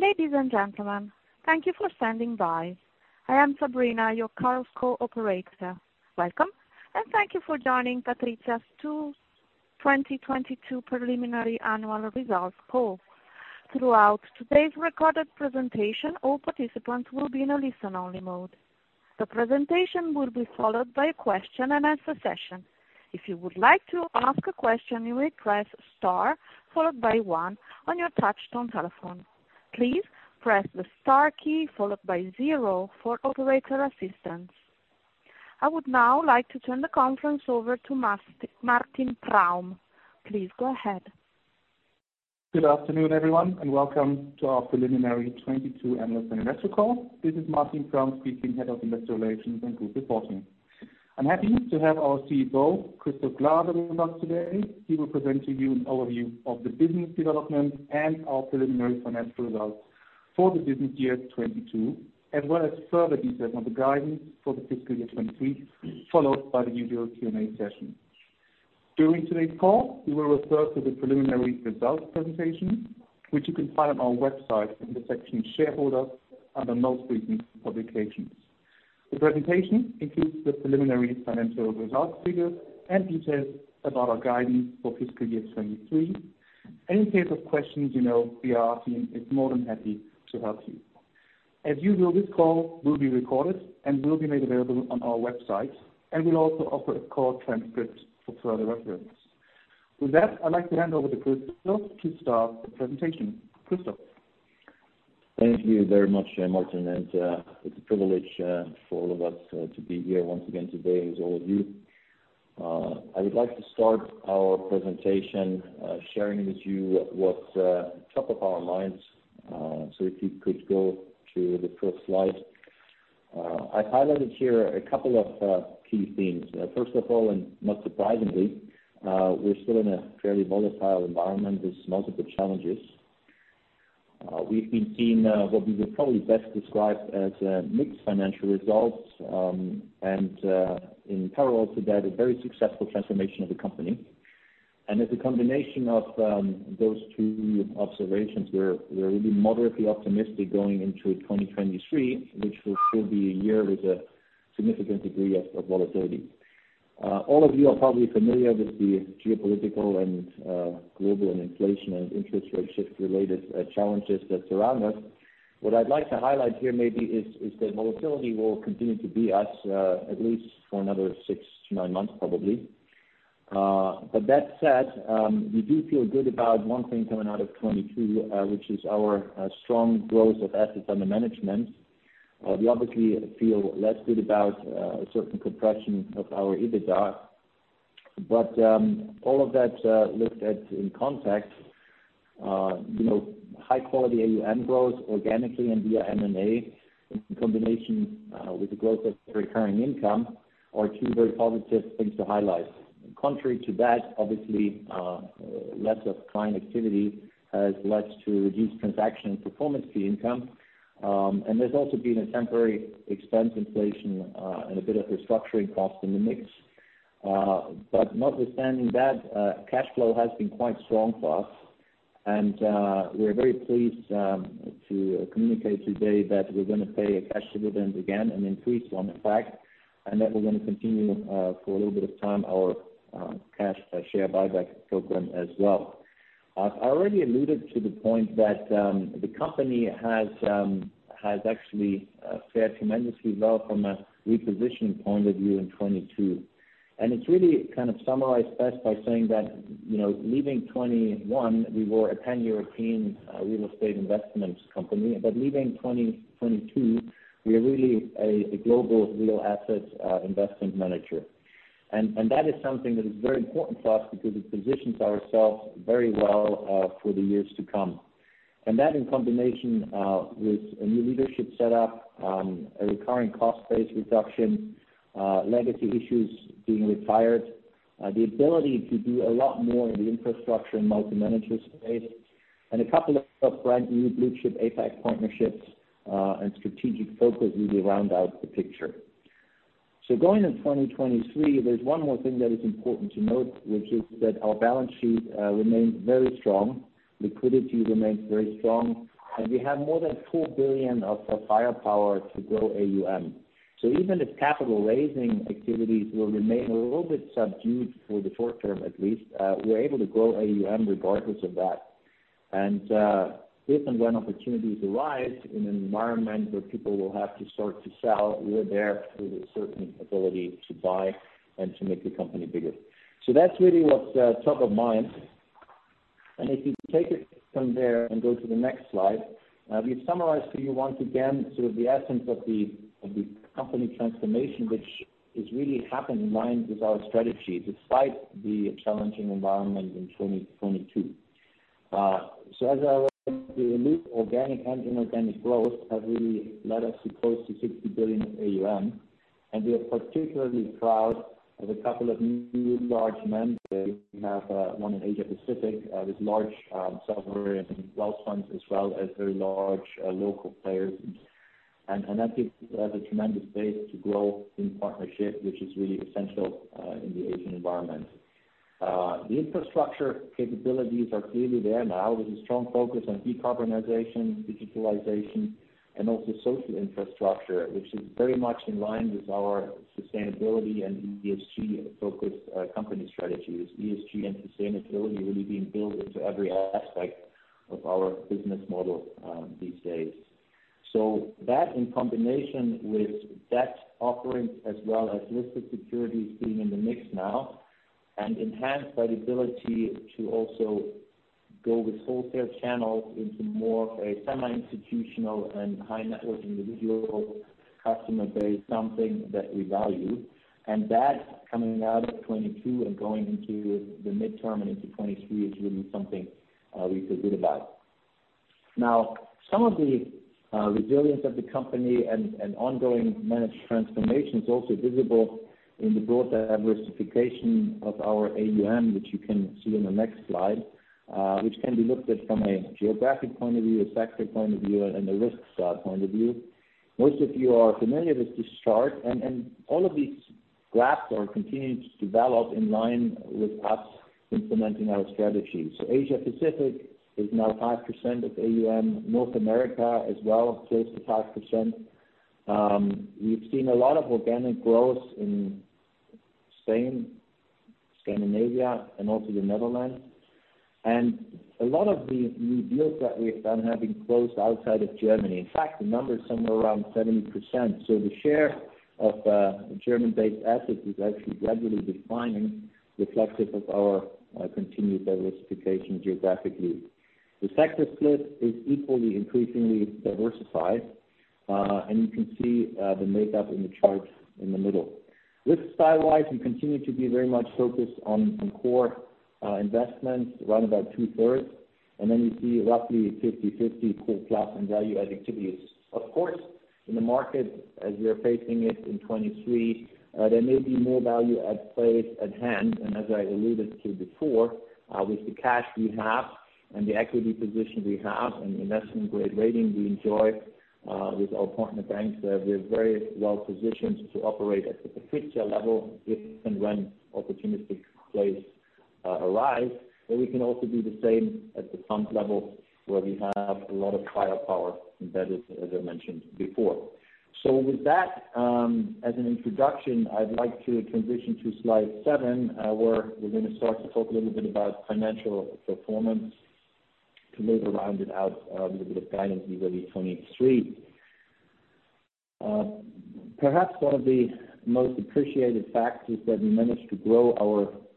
Ladies and gentlemen, thank you for standing by. I am Sabrina, your call operator. Welcome, and thank you for joining PATRIZIA's 2022 preliminary annual results call. Throughout today's recorded presentation, all participants will be in a listen-only mode. The presentation will be followed by a question-and-answer session. If you would like to ask a question, you may press star followed by one on your touch-tone telephone. Please press the star key followed by zero for operator assistance. I would now like to turn the conference over to Martin Praum. Please go ahead. Good afternoon, everyone, and welcome to our preliminary 2022 annual financial call. This is Martin Praum speaking, Head of Investor Relations and Group Reporting. I'm happy to have our CFO, Christoph Glaser, with us today. He will present to you an overview of the business development and our preliminary financial results for the business year 2022, as well as further details on the guidance for the fiscal year 2023, followed by the usual Q&A session. During today's call, we will refer to the preliminary results presentation, which you can find on our website in the section shareholder under most recent publications. The presentation includes the preliminary financial results figures and details about our guidance for fiscal year 2023. Any case of questions you know, the IR team is more than happy to help you. As usual, this call will be recorded and will be made available on our website, and we'll also offer a call transcript for further reference. With that, I'd like to hand over to Christoph to start the presentation. Christoph. Thank you very much, Martin, it's a privilege for all of us to be here once again today with all of you. I would like to start our presentation, sharing with you what's top of our minds, if you could go to the first slide. I highlighted here a couple of key themes. First of all, and not surprisingly, we're still in a fairly volatile environment with multiple challenges. We've been seeing what we would probably best describe as mixed financial results, in parallel to that, a very successful transformation of the company. As a combination of those two observations, we're really moderately optimistic going into 2023, which will still be a year with a significant degree of volatility. All of you are probably familiar with the geopolitical and global and inflation and interest rate shift-related challenges that surround us. What I'd like to highlight here maybe is that volatility will continue to be us, at least for another six to nine months, probably. That said, we do feel good about one thing coming out of 2022, which is our strong growth of assets under management. We obviously feel less good about a certain compression of our EBITDA. All of that looked at in context, you know, high quality AUM growth organically and via M&A in combination with the growth of recurring income are two very positive things to highlight. Contrary to that, obviously, less of client activity has led to reduced transaction and performance fee income. There's also been a temporary expense inflation and a bit of restructuring cost in the mix. Notwithstanding that, cash flow has been quite strong for us, and we are very pleased to communicate today that we're gonna pay a cash dividend again, an increase on the back, and that we're gonna continue for a little bit of time our cash share buyback program as well. I already alluded to the point that the company has actually fared tremendously well from a repositioning point of view in 2022. It's really kind of summarized best by saying that, you know, leaving 2021, we were a 10-year team, real estate investments company, but leaving 2022, we are really a global real assets, investment manager. That is something that is very important for us because it positions ourselves very well, for the years to come. That in combination, with a new leadership set up, a recurring cost base reduction, legacy issues being retired, the ability to do a lot more in the infrastructure and multi-manager space, and a couple of brand new blue-chip APAC partnerships, and strategic focus really round out the picture. Going in 2023, there's one more thing that is important to note, which is that our balance sheet, remains very strong. Liquidity remains very strong. We have more than 4 billion of firepower to grow AUM. Even if capital raising activities will remain a little bit subdued for the short term, at least, we're able to grow AUM regardless of that. If and when opportunities arise in an environment where people will have to start to sell, we're there with a certain ability to buy and to make the company bigger. That's really what's top of mind. If you take it from there and go to the next slide, we've summarized for you once again sort of the essence of the company transformation, which is really happened in line with our strategy despite the challenging environment in 2022. As I already alluded, organic and inorganic growth have really led us to close to 60 billion AUM. We are particularly proud of a couple of new large mandates. We have one in Asia Pacific with large sovereign wealth funds, as well as very large local players. That gives us a tremendous base to grow in partnership, which is really essential in the Asian environment. The infrastructure capabilities are clearly there now with a strong focus on decarbonization, digitalization, and also social infrastructure, which is very much in line with our sustainability and ESG focused company strategies. ESG and sustainability really being built into every aspect of our business model these days. That in combination with debt offerings as well as listed securities being in the mix now and enhanced by the ability to also go with wholesale channel into more of a semi-institutional and high net worth individual customer base, something that we value. That coming out of 2022 and going into the midterm into 2023 is really something we feel good about. Now, some of the resilience of the company and ongoing managed transformation is also visible in the broader diversification of our AUM, which you can see on the next slide, which can be looked at from a geographic point of view, a sector point of view, and a risk side point of view. Most of you are familiar with this chart, and all of these graphs are continuing to develop in line with us implementing our strategies. Asia Pacific is now 5% of AUM. North America as well, close to 5%. We've seen a lot of organic growth in Spain, Scandinavia, and also the Netherlands. A lot of the new deals that we've done have been closed outside of Germany. In fact, the number is somewhere around 70%. So the share of German-based assets is actually gradually declining, reflective of our continued diversification geographically. The sector split is equally increasingly diversified, and you can see the makeup in the chart in the middle. Risk-style wise, we continue to be very much focused on core investments, around about 2/3. Then you see roughly 50/50 core plus and value-add activities. Of course, in the market as we are facing it in 2023, there may be more value-add plays at hand. As I alluded to before, with the cash we have and the equity position we have and investment grade rating we enjoy, with our partner banks, we're very well positioned to operate at the picture level if and when opportunistic plays arise. We can also do the same at the fund level where we have a lot of firepower embedded, as I mentioned before. With that, as an introduction, I'd like to transition to slide seven, where we're gonna start to talk a little bit about financial performance to maybe round it out, a little bit of guidance into really 2023. Perhaps one of the most appreciated facts is that we managed to grow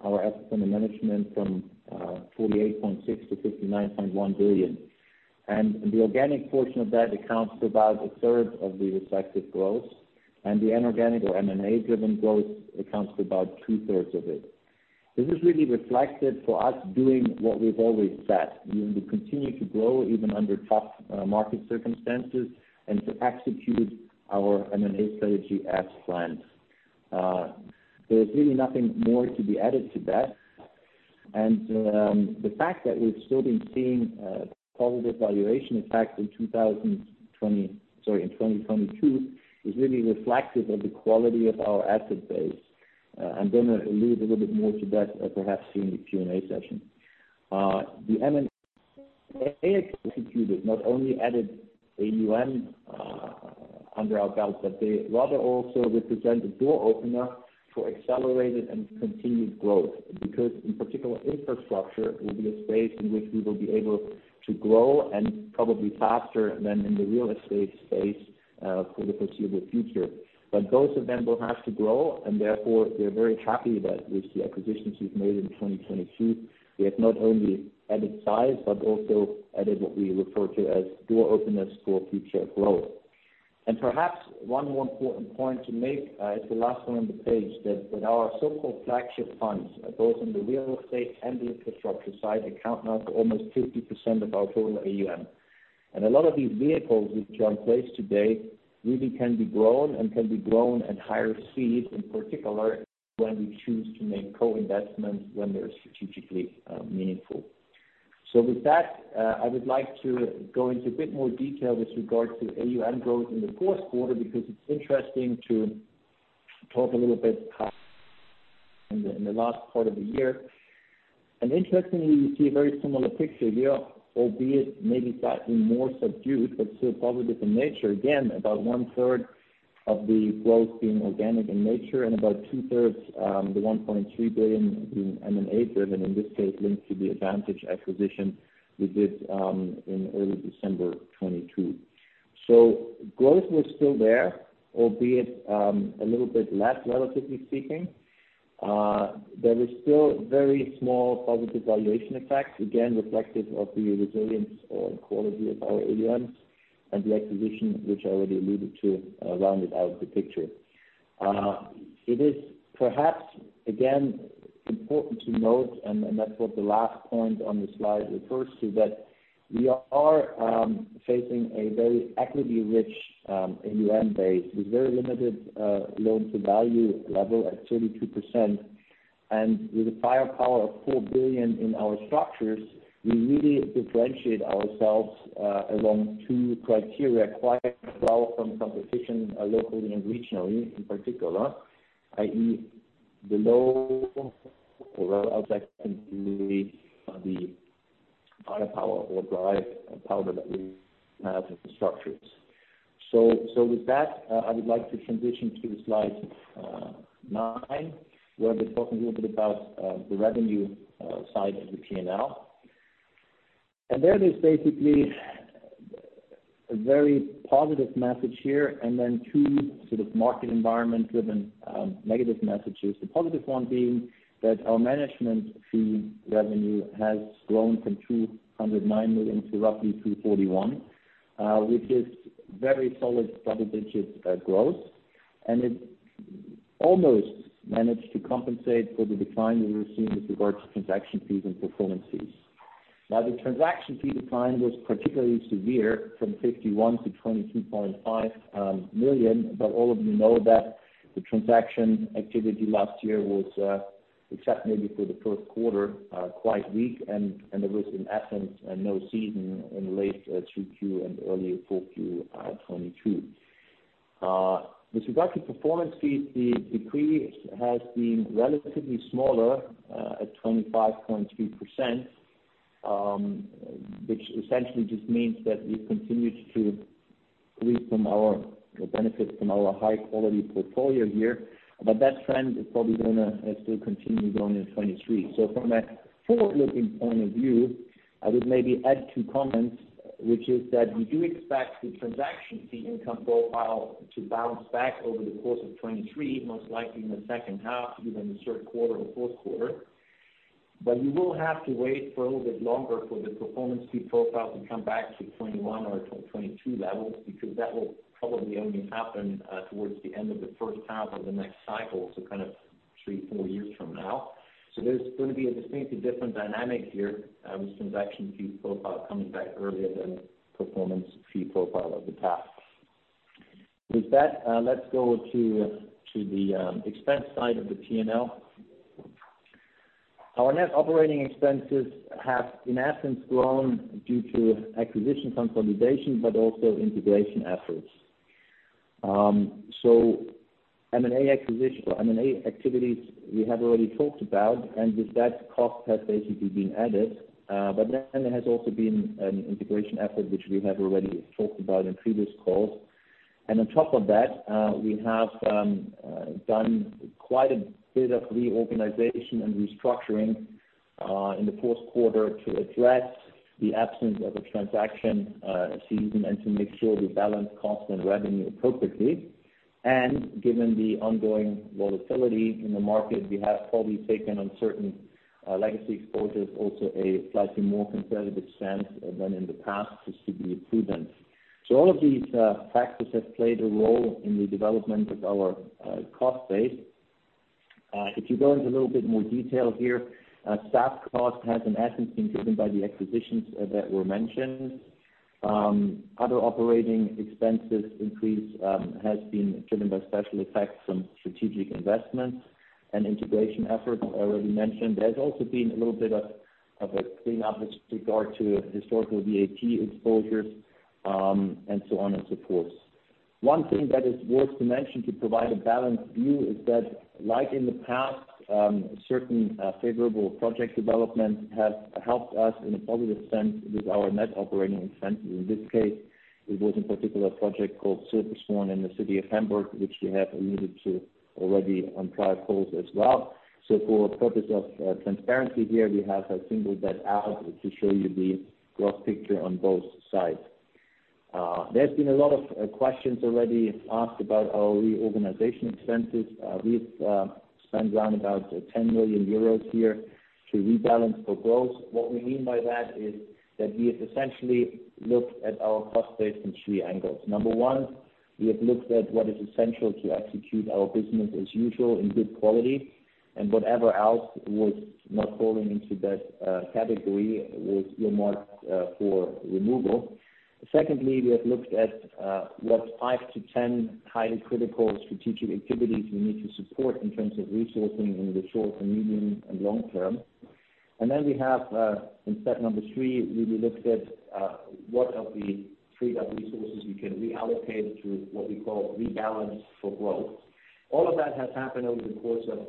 our assets under management from 48.6 billion to 59.1 billion. The organic portion of that accounts for about a third of the reflective growth. The inorganic or M&A-driven growth accounts for about 2/3 of it. This is really reflected for us doing what we've always said, we will continue to grow even under tough market circumstances and to execute our M&A strategy as planned. There's really nothing more to be added to that. The fact that we've still been seeing positive valuation impact in 2022 is really reflective of the quality of our asset base. I'm gonna allude a little bit more to that perhaps in the Q&A session. The M&A executed not only added AUM under our belt, but they rather also represent a door opener for accelerated and continued growth. In particular infrastructure will be a space in which we will be able to grow and probably faster than in the real estate space, for the foreseeable future. Both of them will have to grow, and therefore, we're very happy that with the acquisitions we've made in 2022, we have not only added size, but also added what we refer to as door openers for future growth. Perhaps one more important point to make, is the last one on the page, that our so-called flagship funds, both on the real estate and the infrastructure side, account now for almost 50% of our total AUM. A lot of these vehicles which are in place today really can be grown and can be grown at higher speeds, in particular when we choose to make co-investments when they're strategically, meaningful. With that, I would like to go into a bit more detail with regard to AUM growth in the fourth quarter because it's interesting to talk a little bit how in the last part of the year. Interestingly, we see a very similar picture here, albeit maybe slightly more subdued, but still positive in nature. Again, about 1/3 of the growth being organic in nature and about 2/3, the 1.3 billion being M&A-driven, in this case linked to the Advantage acquisition we did in early December 2022. Growth was still there, albeit a little bit less relatively speaking. There is still very small positive valuation effects, again reflective of the resilience or quality of our AUMs and the acquisition which I already alluded to, rounded out the picture. It is perhaps, again, important to note, and that's what the last point on the slide refers to, that we are facing a very equity-rich AUM base with very limited loans to value level at 32%. With a firepower of 4 billion in our structures, we really differentiate ourselves along two criteria quite well from competition locally and regionally in particular, i.e., the low or outside a power or dry powder that we have in structures. With that, I would like to transition to slide nine, where we're talking a little bit about the revenue side of the P&L. There is basically a very positive message here, and then two sort of market environment driven negative messages. The positive one being that our management fee revenue has grown from 209 million to roughly 241 million, which is very solid double digits growth. It almost managed to compensate for the decline we were seeing with regards to transaction fees and performance fees. The transaction fee decline was particularly severe from 51 million to 22.5 million, but all of you know that the transaction activity last year was, except maybe for the first quarter, quite weak and there was an absence and no season in late 2Q and early 4Q 2022. With regard to performance fees, the decrease has been relatively smaller, at 25.3%, which essentially just means that we continued to reap from our benefits from our high quality portfolio here. That trend is probably gonna still continue going in 2023. From a forward-looking point of view, I would maybe add two comments, which is that we do expect the transaction fee income profile to bounce back over the course of 2023, most likely in the second half, even the third quarter or fourth quarter. You will have to wait for a little bit longer for the performance fee profile to come back to 2021 or 2022 levels, because that will probably only happen towards the end of the first half of the next cycle, so kind of three, four years from now. There's gonna be a distinctly different dynamic here, with transaction fee profile coming back earlier than performance fee profile of the past. With that, let's go to the expense side of the P&L. Our net operating expenses have, in essence, grown due to acquisition consolidation, but also integration efforts. M&A acquisition or M&A activities we have already talked about, with that cost has basically been added. There has also been an integration effort which we have already talked about in previous calls. On top of that, we have done quite a bit of reorganization and restructuring in the fourth quarter to address the absence of a transaction season and to make sure we balance cost and revenue appropriately. Given the ongoing volatility in the market, we have probably taken on certain legacy exposures, also a slightly more conservative stance than in the past just to be prudent. All of these factors have played a role in the development of our cost base. If you go into a little bit more detail here, staff cost has in essence been driven by the acquisitions that were mentioned. Other operating expenses increase has been driven by special effects from strategic investments and integration efforts I already mentioned. There's also been a little bit of a clean up with regard to historical VAT exposures and so on and so forth. One thing that is worth to mention to provide a balanced view is that like in the past, certain favorable project development have helped us in a positive sense with our net operating expenses. In this case, it was in particular a project called Circus One in the city of Hamburg, which we have alluded to already on prior calls as well. For purpose of transparency here, we have singled that out to show you the gross picture on both sides. There's been a lot of questions already asked about our reorganization expenses. We've spent round about 10 million euros here to rebalance for growth. What we mean by that is that we have essentially looked at our cost base from three angles. Number one, we have looked at what is essential to execute our business as usual in good quality, and whatever else was not falling into that category was earmarked for removal. Secondly, we have looked at what five to 10 highly critical strategic activities we need to support in terms of resourcing in the short and medium and long term. Then we have, in step number three, we looked at what of the freed up resources we can reallocate to what we call rebalance for growth. All of that has happened over the course of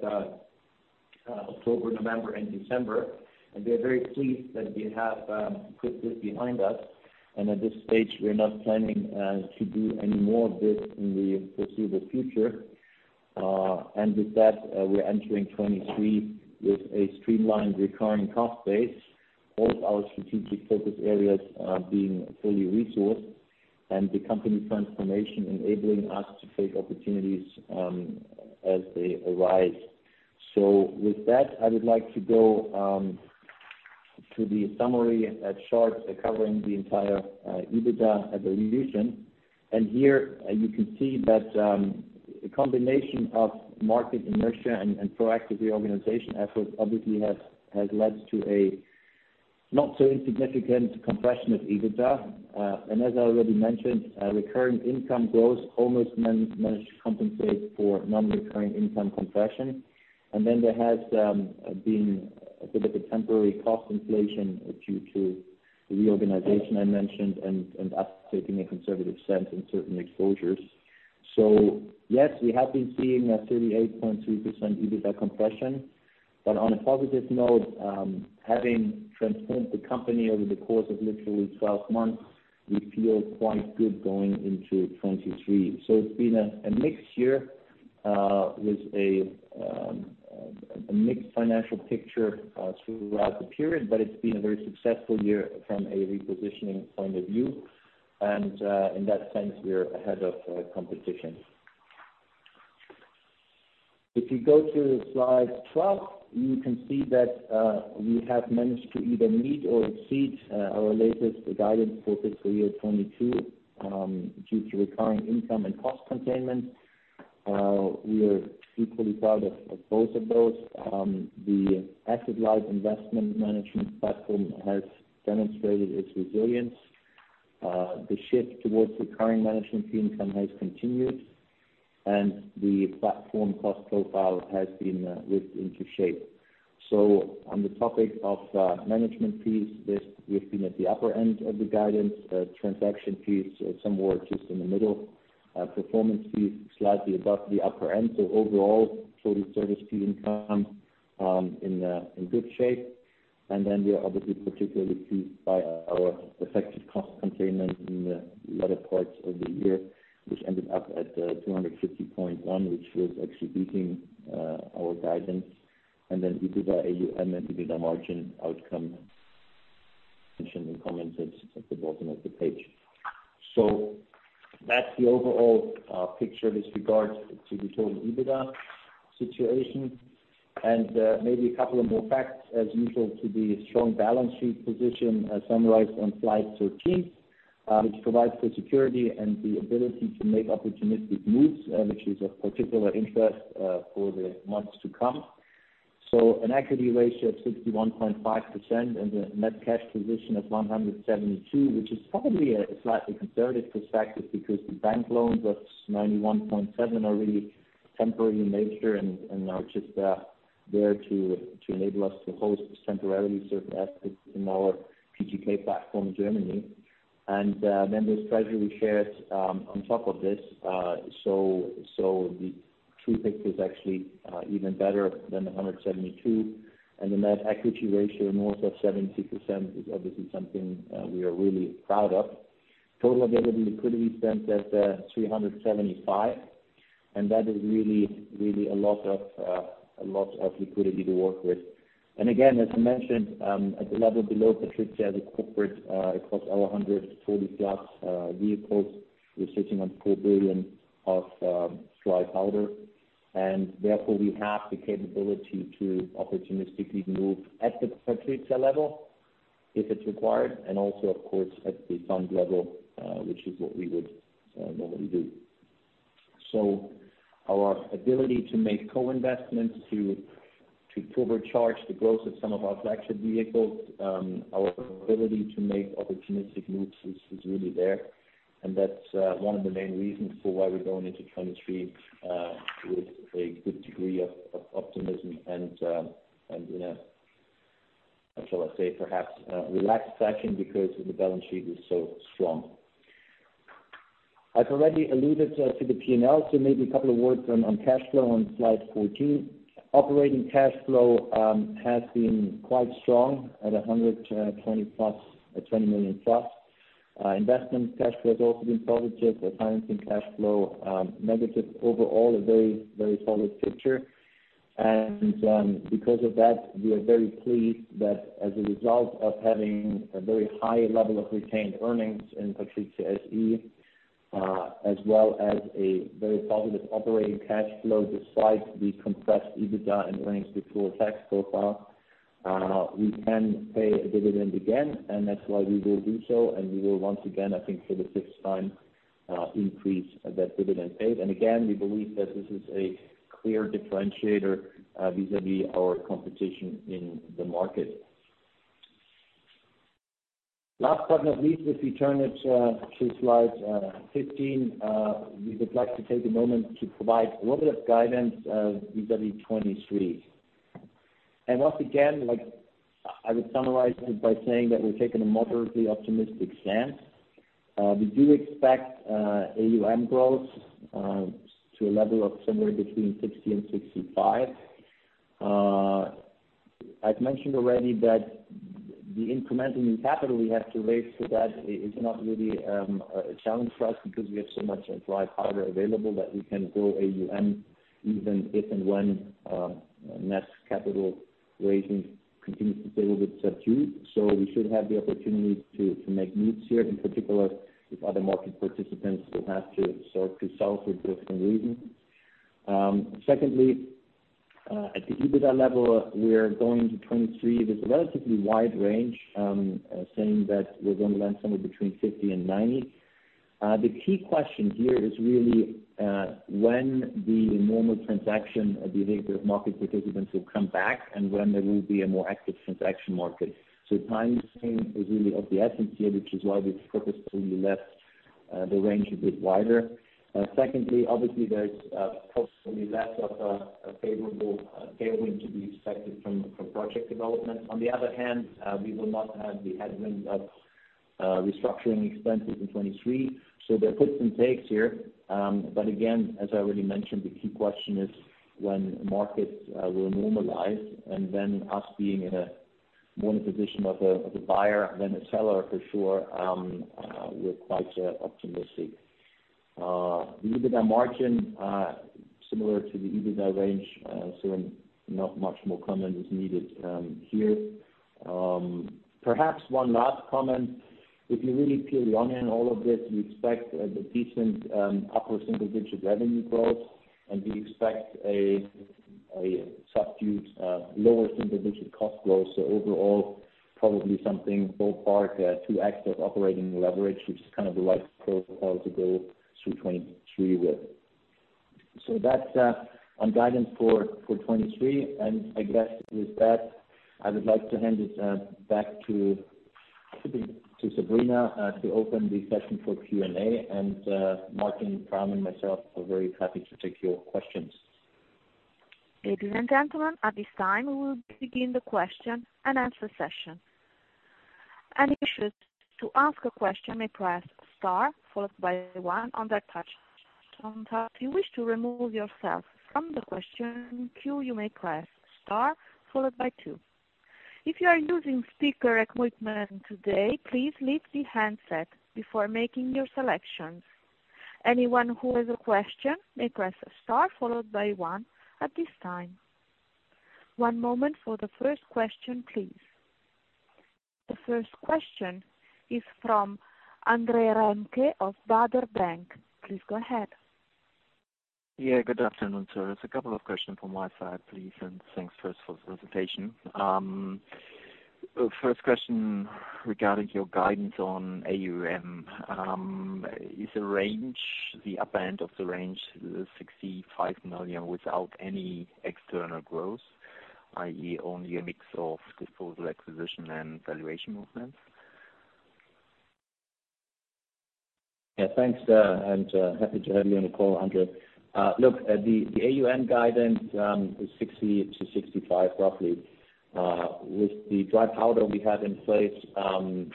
October, November, and December, and we are very pleased that we have put this behind us. At this stage, we are not planning to do any more of this in the foreseeable future. With that, we're entering 2023 with a streamlined recurring cost base. All our strategic focus areas are being fully resourced and the company transformation enabling us to take opportunities as they arise. With that, I would like to go to the summary chart covering the entire EBITDA evolution. Here you can see that a combination of market inertia and proactive reorganization efforts obviously has led to a not so insignificant compression of EBITDA. As I already mentioned, recurring income growth almost managed to compensate for non-recurring income compression. Then there has been a bit of a temporary cost inflation due to reorganization I mentioned and us taking a conservative stance in certain exposures. Yes, we have been seeing a 38.3% EBITDA compression. On a positive note, having transformed the company over the course of literally 12 months, we feel quite good going into 2023. It's been a mixed year with a mixed financial picture throughout the period, but it's been a very successful year from a repositioning point of view, and in that sense, we're ahead of competition. If you go to slide 12, you can see that we have managed to either meet or exceed our latest guidance for fiscal year 2022 due to recurring income and cost containment. We are equally proud of both of those. The active life investment management platform has demonstrated its resilience. The shift towards recurring management fee income has continued, and the platform cost profile has been whipped into shape. On the topic of management fees, we've been at the upper end of the guidance, transaction fees are somewhere just in the middle, performance fees slightly above the upper end. Overall, total service fee income in good shape. We are obviously particularly pleased by our effective cost containment in the latter parts of the year, which ended up at 250.1 million, which was actually beating our guidance. EBITDA AUM and EBITDA margin outcome mentioned and commented at the bottom of the page. That's the overall picture with regard to the total EBITDA situation. Maybe a couple of more facts, as usual, to the strong balance sheet position, summarized on slide 13, which provides for security and the ability to make opportunistic moves, which is of particular interest for the months to come. An equity ratio of 61.5% and a net cash position of 172 million, which is probably a slightly conservative perspective because the bank loans of 91.7 million are really temporary in nature and are just there to enable us to host temporarily certain assets in our PGK platform in Germany. Then there's treasury shares on top of this. The true picture is actually even better than 172 million, and the net equity ratio north of 70% is obviously something we are really proud of. Total available liquidity stands at 375 million. That is really a lot of liquidity to work with. Again, as I mentioned, at the level below PATRIZIA as a corporate, across our 140+ vehicles, we're sitting on 4 billion of dry powder. Therefore, we have the capability to opportunistically move at the PATRIZIA level if it's required, also of course at the fund level, which is what we would normally do. Our ability to make co-investments to further charge the growth of some of our flagship vehicles, our ability to make opportunistic moves is really there, and that's one of the main reasons for why we're going into 2023 with a good degree of optimism and in a, how shall I say, perhaps, relaxed fashion because the balance sheet is so strong. I've already alluded to the P&L, so maybe a couple of words on cash flow on slide 14. Operating cash flow has been quite strong at 120 million+. Investment cash flow has also been positive. The financing cash flow, negative. Overall, a very solid picture. Because of that, we are very pleased that as a result of having a very high level of retained earnings in PATRIZIA SE, as well as a very positive operating cash flow despite the compressed EBITDA and earnings before tax profile, we can pay a dividend again, and that's why we will do so. We will once again, I think for the fifth time, increase that dividend paid. Again, we believe that this is a clear differentiator, vis-à-vis our competition in the market. Last but not least, if we turn it to slide 15, we would like to take a moment to provide a little bit of guidance, vis-à-vis 2023. Once again, like, I would summarize it by saying that we're taking a moderately optimistic stance. We do expect AUM growth to a level of somewhere between 60 million-65 million. I've mentioned already that the incremental new capital we have to raise for that is not really a challenge for us because we have so much dry powder available that we can grow AUM even if and when net capital raising continues to stay a little bit subdued. We should have the opportunity to make moves here, in particular if other market participants will have to sort themselves for different reasons. Secondly, at the EBITDA level, we're going into 2023 with a relatively wide range, saying that we're gonna land somewhere between 50 million-90 million. The key question here is really when the normal transaction behavior of market participants will come back and when there will be a more active transaction market. Timing is really of the essence here, which is why we've purposefully left the range a bit wider. Secondly, obviously there's hopefully less of a favorable tailwind to be expected from project development. On the other hand, we will not have the headwind of restructuring expenses in 2023. There are puts and takes here. Again, as I already mentioned, the key question is when markets will normalize and then us being in a more position of a buyer than a seller for sure, we're quite optimistic. The EBITDA margin, similar to the EBITDA range, so not much more comment is needed here. Perhaps one last comment. If you really peel the onion on all of this, we expect the decent upper single-digit revenue growth, and we expect a subdued lower single-digit cost growth. Overall, probably something ballpark, 2x of operating leverage, which is kind of the right profile to go through 2023 with. That's on guidance for 2023. I guess with that, I would like to hand it back to, I think, to Sabrina, to open the session for Q&A. Martin Praum and myself are very happy to take your questions. Ladies and gentlemen, at this time, we'll begin the question and answer session. If you wish to ask a question, you may press star followed by one on your touch tone phone. If you wish to remove yourself from the question queue, you may press star followed by two. If you are using speaker equipment today, please leave the handset before making your selections. Anyone who has a question may press star followed by one at this time. One moment for the first question, please. The first question is from Andre Remke of Baader Bank. Please go ahead. Yeah, good afternoon, sir. There's a couple of questions from my side, please, and thanks first for the presentation. First question regarding your guidance on AUM. Is the range, the upper end of the range, the 65 million without any external growth, i.e., only a mix of disposal, acquisition and valuation movements? Yeah, thanks. Happy to have you on the call, Andre. Look, the AUM guidance is 60 million-65 million, roughly. With the dry powder we have in place, and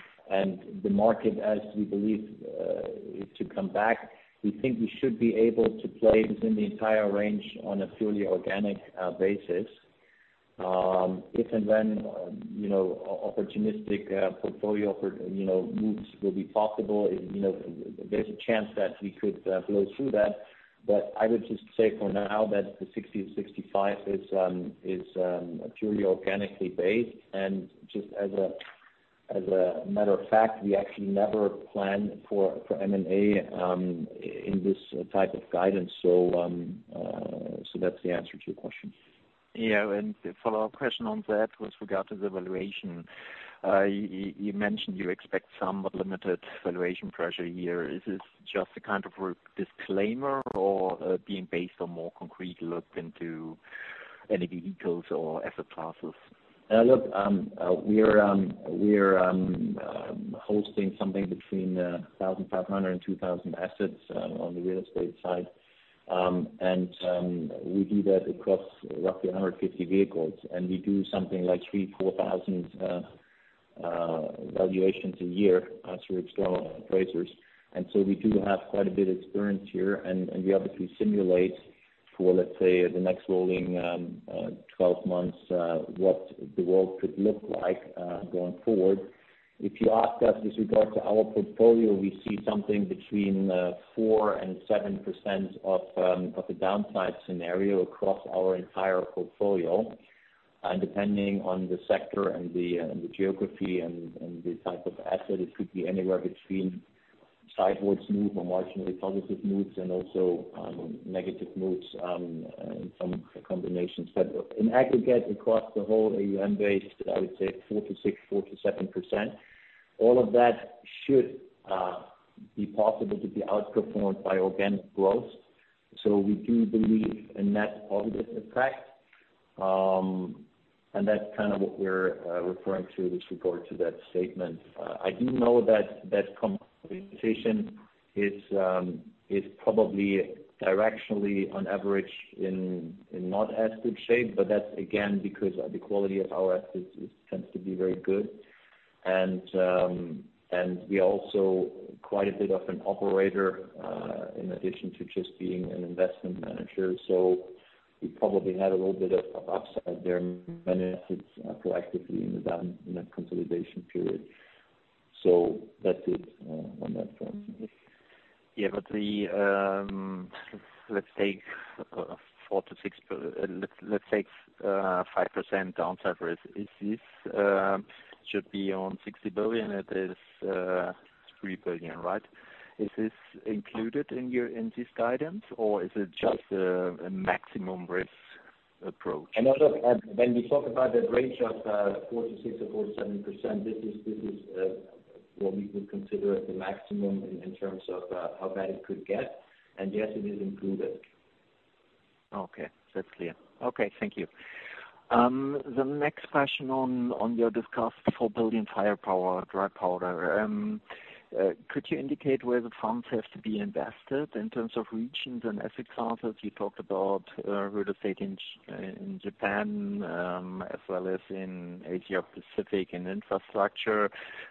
the market as we believe is to come back, we think we should be able to play within the entire range on a purely organic basis. If and when, you know, opportunistic portfolio moves will be possible, you know, there's a chance that we could blow through that. I would just say for now that the 60 million-65 million is purely organically based. Just as a matter of fact, we actually never planned for M&A in this type of guidance. That's the answer to your question. Yeah. A follow-up question on that with regard to the valuation. You mentioned you expect some limited valuation pressure here. Is this just a kind of a disclaimer or being based on more concrete look into any vehicles or asset classes? Look, we're hosting something between 1,500 and 2,000 assets on the real estate side. We do that across roughly 150 vehicles, and we do something like 3,000-4,000 valuations a year through external appraisers. We do have quite a bit of experience here, and we obviously simulate for, let's say, the next rolling 12 months what the world could look like going forward. If you ask us with regard to our portfolio, we see something between 4% and 7% of the downside scenario across our entire portfolio. Depending on the sector and the geography and the type of asset, it could be anywhere between sidewards move or marginally positive moves and also, negative moves, in some combinations. In aggregate, across the whole AUM base, I would say 4%-6%, 4%-7%. All of that should be possible to be outperformed by organic growth. We do believe a net positive effect. That's kind of what we're referring to with regard to that statement. I do know that that compensation is probably directionally on average in not as good shape, but that's again, because the quality of our assets is, tends to be very good. And we also quite a bit of an operator, in addition to just being an investment manager. We probably had a little bit of upside there benefits, proactively in that consolidation period. That's it on that front. Yeah. The, let's take 4%-6%, let's take 5% downside risk. Is this, should be on 60 billion, it is 3 billion, right? Is this included in your in this guidance, or is it just a maximum risk approach? Now look, when we talk about that range of, 4%-6% or 4%-7%, this is what we would consider the maximum in terms of, how bad it could get. Yes, it is included. Okay. That's clear. Okay, thank you. The next question on your discussed 4 billion firepower, dry powder, could you indicate where the funds have to be invested in terms of regions and asset classes? You talked about real estate in Japan, as well as in Asia Pacific and infrastructure.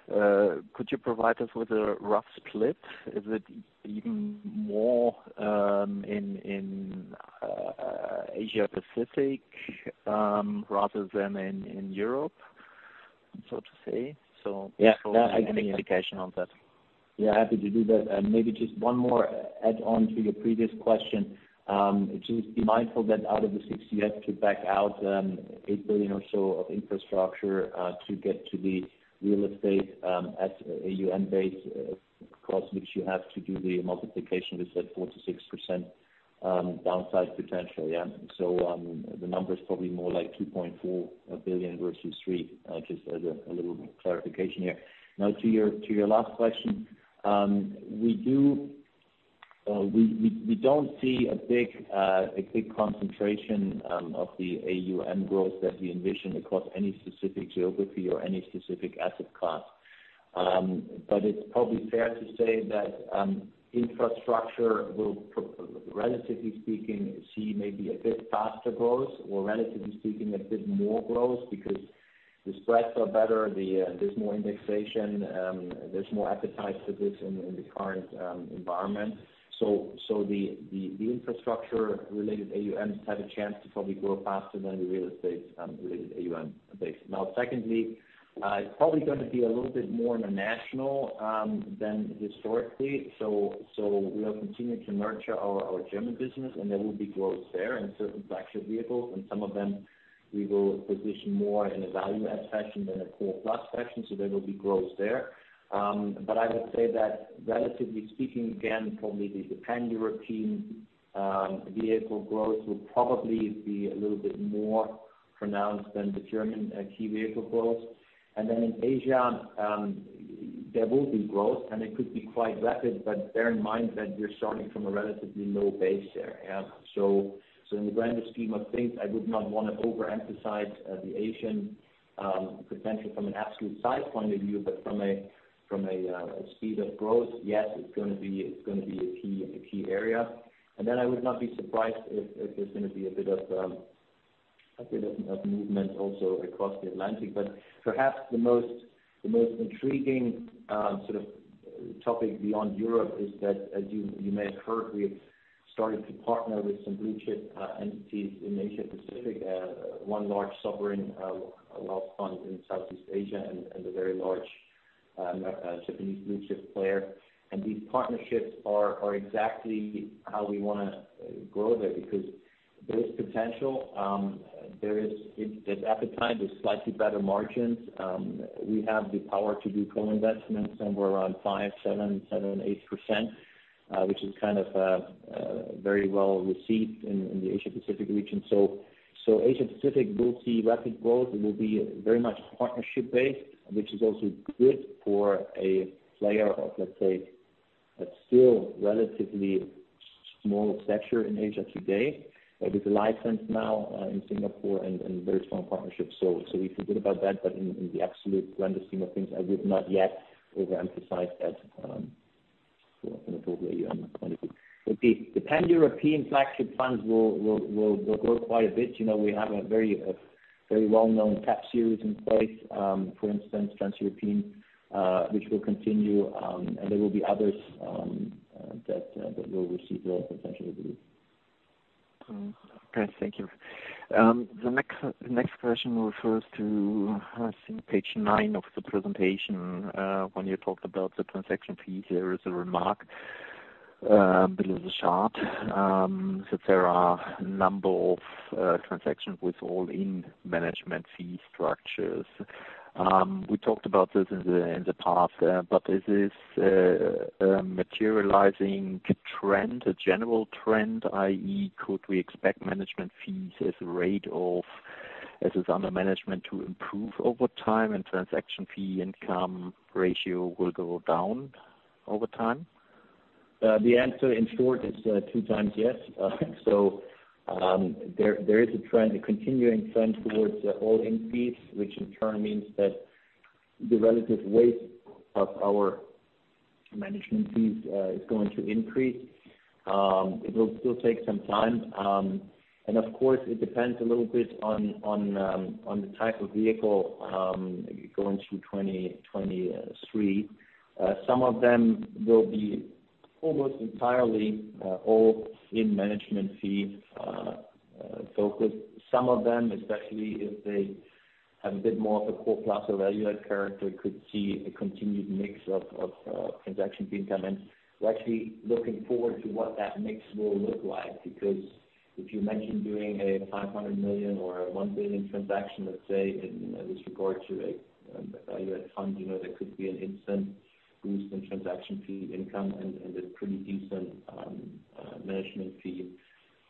Could you provide us with a rough split? Is it even more in Asia Pacific, rather than in Europe, so to say? Yeah. Any indication on that. Yeah, happy to do that. Maybe just one more add on to your previous question. Just be mindful that out of the six you have to back out 8 billion or so of infrastructure to get to the real estate as AUM base, across which you have to do the multiplication with that 4%-6% downside potential. The number is probably more like 2.4 billion versus 3 billion, just as a little clarification here. Now to your last question. We do, we don't see a big concentration of the AUM growth that we envision across any specific geography or any specific asset class. It's probably fair to say that infrastructure will relatively speaking, see maybe a bit faster growth or relatively speaking, a bit more growth because the spreads are better, there's more indexation, there's more appetite for this in the current environment. The infrastructure related AUMs have a chance to probably grow faster than the real estate related AUM base. Now, secondly, it's probably gonna be a little bit more international than historically. We are continuing to nurture our German business and there will be growth there in certain flagship vehicles. Some of them we will position more in a value add fashion than a core plus fashion, so there will be growth there. I would say that relatively speaking, again, probably the Pan-European vehicle growth will probably be a little bit more pronounced than the German key vehicle growth. In Asia, there will be growth, and it could be quite rapid, but bear in mind that we're starting from a relatively low base there, yeah. In the grander scheme of things, I would not wanna overemphasize the Asian potential from an absolute size point of view. From a, from a speed of growth, yes, it's gonna be, it's gonna be a key area. I would not be surprised if there's gonna be a bit of movement also across the Atlantic. Perhaps the most intriguing sort of topic beyond Europe is that, as you may have heard, we've started to partner with some blue chip entities in Asia Pacific. One large sovereign wealth fund in Southeast Asia and a very large Japanese blue chip player. These partnerships are exactly how we want to grow there because there is potential. There is appetite with slightly better margins. We have the power to do co-investments somewhere around 5%, 7%, 8%, which is kind of very well received in the Asia Pacific region. Asia Pacific will see rapid growth. It will be very much partnership based, which is also good for a player of, let's say, a still relatively small stature in Asia today. With a license now, in Singapore and very strong partnerships. We feel good about that. In the absolute grander scheme of things, I would not yet overemphasize that, for in the probably, 2022. The Pan-European flagship funds will grow quite a bit. You know, we have a very well-known cap series in place, for instance, Trans-European, which will continue. And there will be others that will receive growth potentially, we believe. Okay. Thank you. The next question refers to, I think page nine of the presentation. When you talked about the transaction fee, there is a remark below the chart. That there are a number of transactions with all-in management fee structures. We talked about this in the past. Is this a materializing trend, a general trend, i.e. could we expect management fees as a rate of, as is under management to improve over time and transaction fee income ratio will go down over time? The answer in short is 2x, yes. There is a trend, a continuing trend towards the all-in fees, which in turn means that the relative weight of our management fees is going to increase. It'll still take some time. Of course, it depends a little bit on the type of vehicle going through 2023. Some of them will be almost entirely all in management fee focused. Some of them, especially if they have a bit more of a core plus or value add character, could see a continued mix of transaction fee income. We're actually looking forward to what that mix will look like because if you mention doing a 500 million or a 1 billion transaction, let's say in this regard to a value add fund, you know, there could be an instant boost in transaction fee income and a pretty decent management fee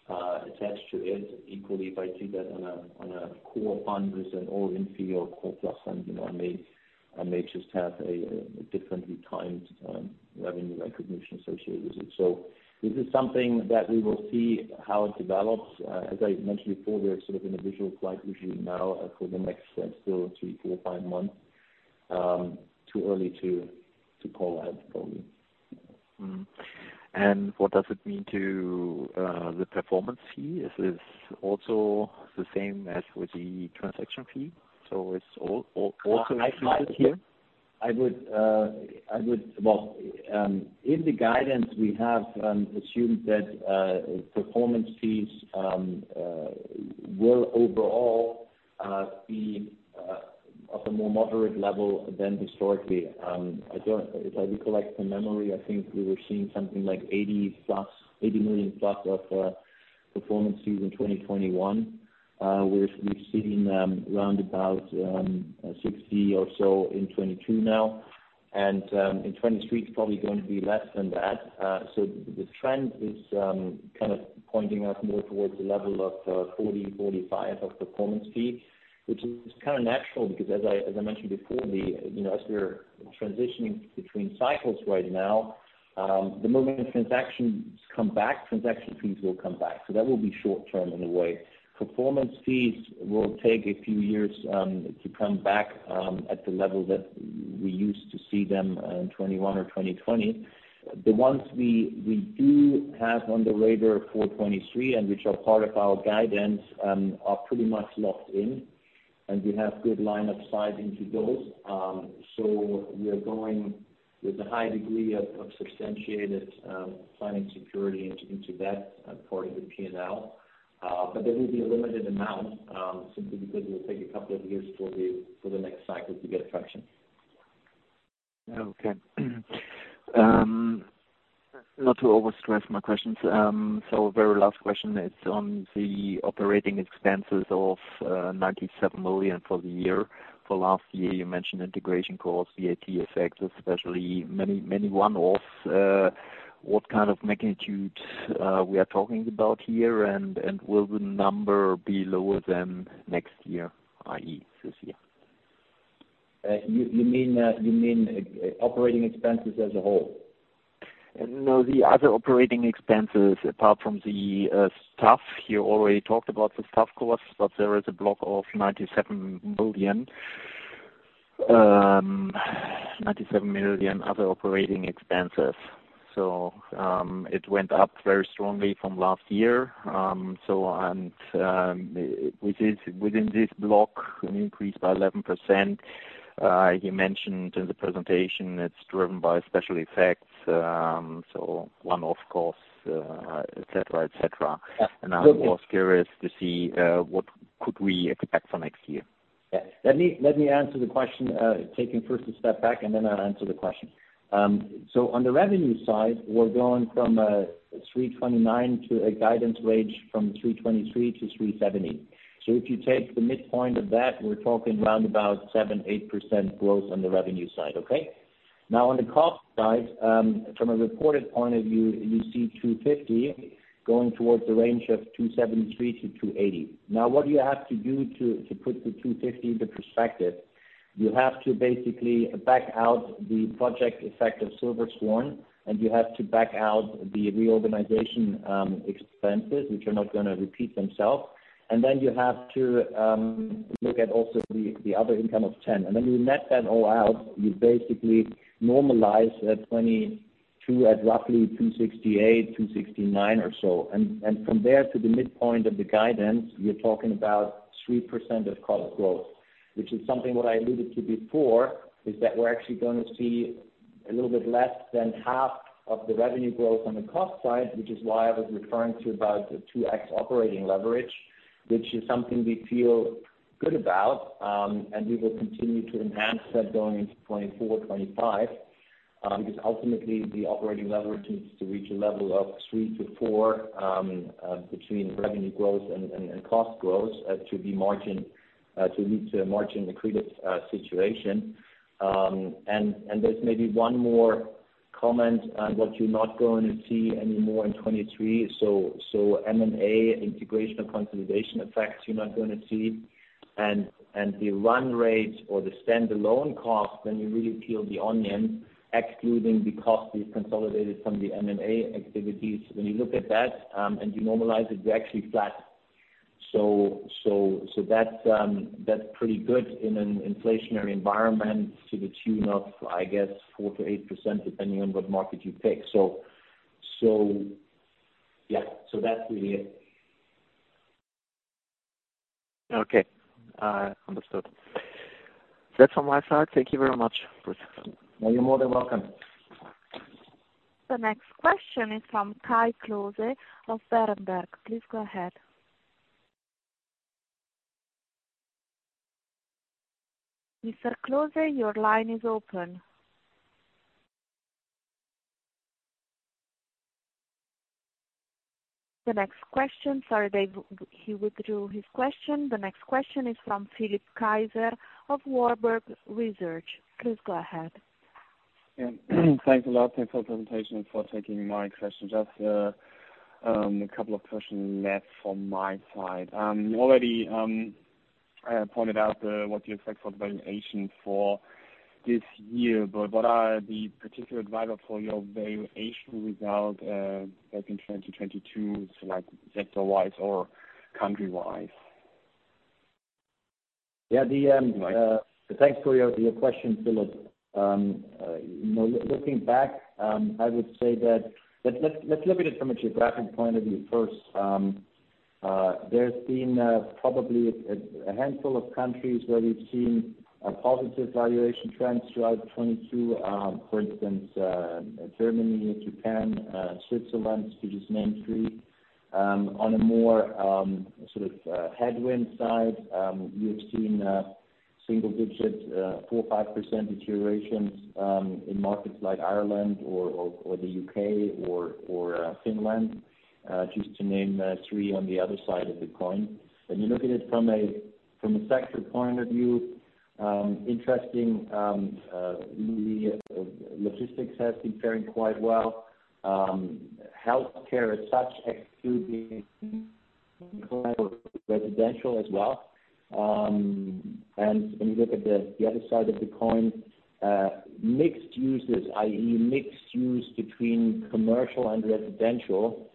attached to it. Equally, if I do that on a core fund with an all-in fee or core plus fund, you know, I may just have a differently timed Revenue recognition associated with it. This is something that we will see how it develops. As I mentioned before, we're sort of in a visual flight regime now for the next, let's say, three, four, or five months. Too early to call out probably. What does it mean to the performance fee? Is this also the same as with the transaction fee? It's also applied here? I would, well, in the guidance we have assumed that performance fees will overall be of a more moderate level than historically. If I recollect from memory, I think we were seeing something like 80 million+ of performance fees in 2021. We're seeing around about 60 million or so in 2022 now. In 2023 it's probably going to be less than that. The trend is kind of pointing us more towards the level of 40 million-45 million of performance fee, which is kind of natural because as I mentioned before, you know, as we're transitioning between cycles right now, the moment transactions come back, transaction fees will come back. That will be short term in a way. Performance fees will take a few years to come back at the level that we used to see them in 2021 or 2020. The ones we do have on the radar for 2023, and which are part of our guidance, are pretty much locked in, and we have good line of sight into those. We are going with a high degree of substantiated planning security into that part of the P&L. There will be a limited amount simply because it will take a couple of years for the next cycle to get traction. Okay. Not to overstress my questions. Very last question is on the operating expenses of 97 million for the year. For last year you mentioned integration costs, VAT effects especially, many, many one-offs. What kind of magnitudes we are talking about here? Will the number be lower than next year, i.e. this year? You, you mean, you mean, operating expenses as a whole? The other operating expenses, apart from the staff. You already talked about the staff costs, but there is a block of 97 million other operating expenses. It went up very strongly from last year. Within this block an increase by 11%. You mentioned in the presentation it's driven by special effects, so one-off costs, et cetera, et cetera. Yeah. I was curious to see, what could we expect for next year? Yeah. Let me answer the question, taking first a step back and then I'll answer the question. On the revenue side, we're going from 329 million to a guidance range from 323 million-370 million. If you take the midpoint of that, we're talking around about 7%-8% growth on the revenue side. Okay? Now, on the cost side, from a reported point of view, you see 250 million going towards a range of 273 million-280 million. Now, what you have to do to put the 250 million into perspective, you have to basically back out the project effect of Silver Swan, and you have to back out the reorganization expenses, which are not gonna repeat themselves. Then you have to look at also the other income of 10 million. When you net that all out, you basically normalize 2022 at roughly 268 million, 269 million or so. From there to the midpoint of the guidance, you're talking about 3% of cost growth, which is something what I alluded to before, is that we're actually gonna see a little bit less than half of the revenue growth on the cost side, which is why I was referring to about the 2x operating leverage, which is something we feel good about. We will continue to enhance that going into 2024, 2025. Ultimately the operating leverage needs to reach a level of 3x-4x between revenue growth and cost growth to lead to a margin-accretive situation. And there's maybe one more comment on what you're not going to see any more in 2023. M&A integration or consolidation effects, you're not gonna see. The run rates or the standalone costs, when you really peel the onion, excluding the cost we've consolidated from the M&A activities, when you look at that, and you normalize it, we're actually flat. That's pretty good in an inflationary environment to the tune of, I guess, 4%-8% depending on what market you take. Yeah. So that's really it. Okay. Understood. That's from my side. Thank you very much, Christoph. Oh, you're more than welcome. The next question is from Kai Klose of Berenberg. Please go ahead. Mr. Klose, your line is open. Sorry, Dave withdrew his question. The next question is from Philipp Kaiser of Warburg Research. Please go ahead. Yeah. Thanks a lot. Thanks for the presentation and for taking my question. Just, a couple of questions left from my side. You already, pointed out, what the effect for the valuation for this year. What are the particular driver for your valuation without, back in 2022, so like sector-wise or country-wise? Yeah. Thanks for your question, Philipp. You know, looking back, I would say that, let's look at it from a geographic point of view first. There's been probably a handful of countries where we've seen a positive valuation trend throughout 2022. For instance, Germany, Japan, Switzerland, to just name three. On a more sort of headwind side, you have seen single digits, 4%, 5% deteriorations in markets like Ireland or the U.K. or Finland, just to name three on the other side of the coin. When you look at it from a sector point of view, interesting, the logistics has been faring quite well. Healthcare as such excluding residential as well. When you look at the other side of the coin, mixed uses, i.e. mixed use between commercial and residential.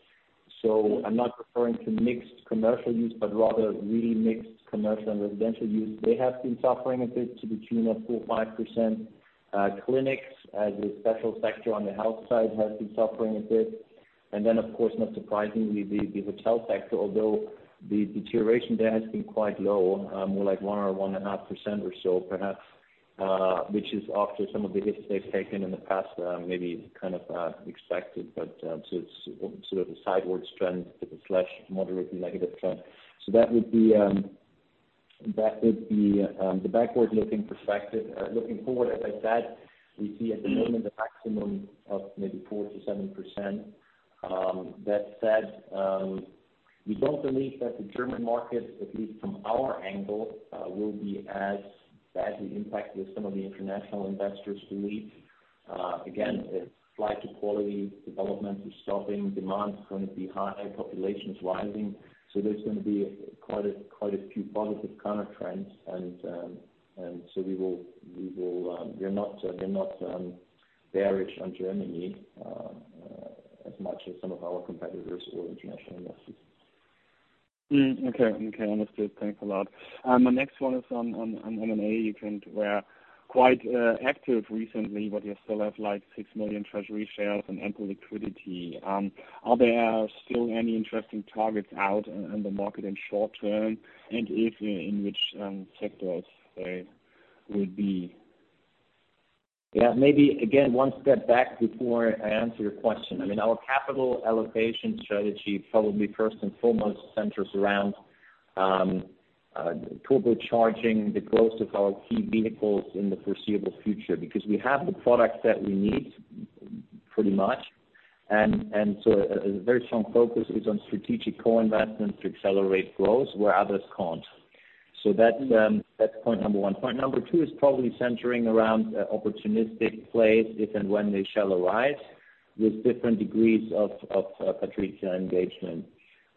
I'm not referring to mixed commercial use, but rather really mixed commercial and residential use. They have been suffering a bit to the tune of 4%-5%. Clinics as a special sector on the health side has been suffering a bit. Then, of course, not surprisingly, the hotel sector, although the deterioration there has been quite low, more like 1%-1.5% or so perhaps, which is after some of the hits they've taken in the past, maybe kind of expected. So it's sort of a sideways trend, with a slight moderately negative trend. That would be the backward looking perspective. Looking forward, as I said, we see at the moment a maximum of maybe 4%-7%. That said, we don't believe that the German market, at least from our angle, will be as badly impacted as some of the international investors believe. Again, it's flight to quality, development is stopping, demand is gonna be high, population is rising. There's gonna be quite a few positive counter trends. We're not bearish on Germany, as much as some of our competitors or international investors. Okay. Okay. Understood. Thanks a lot. My next one is on M&A. You were quite active recently, but you still have, like, 6 million treasury shares and ample liquidity. Are there still any interesting targets out on the market in short term, and if, in which, sectors they would be? Yeah, maybe again, one step back before I answer your question. I mean, our capital allocation strategy probably first and foremost centers around turbocharging the growth of our key vehicles in the foreseeable future because we have the products that we need pretty much. A very strong focus is on strategic co-investments to accelerate growth where others can't. That's point number one. Point number two is probably centering around opportunistic plays if and when they shall arise with different degrees of PATRIZIA engagement.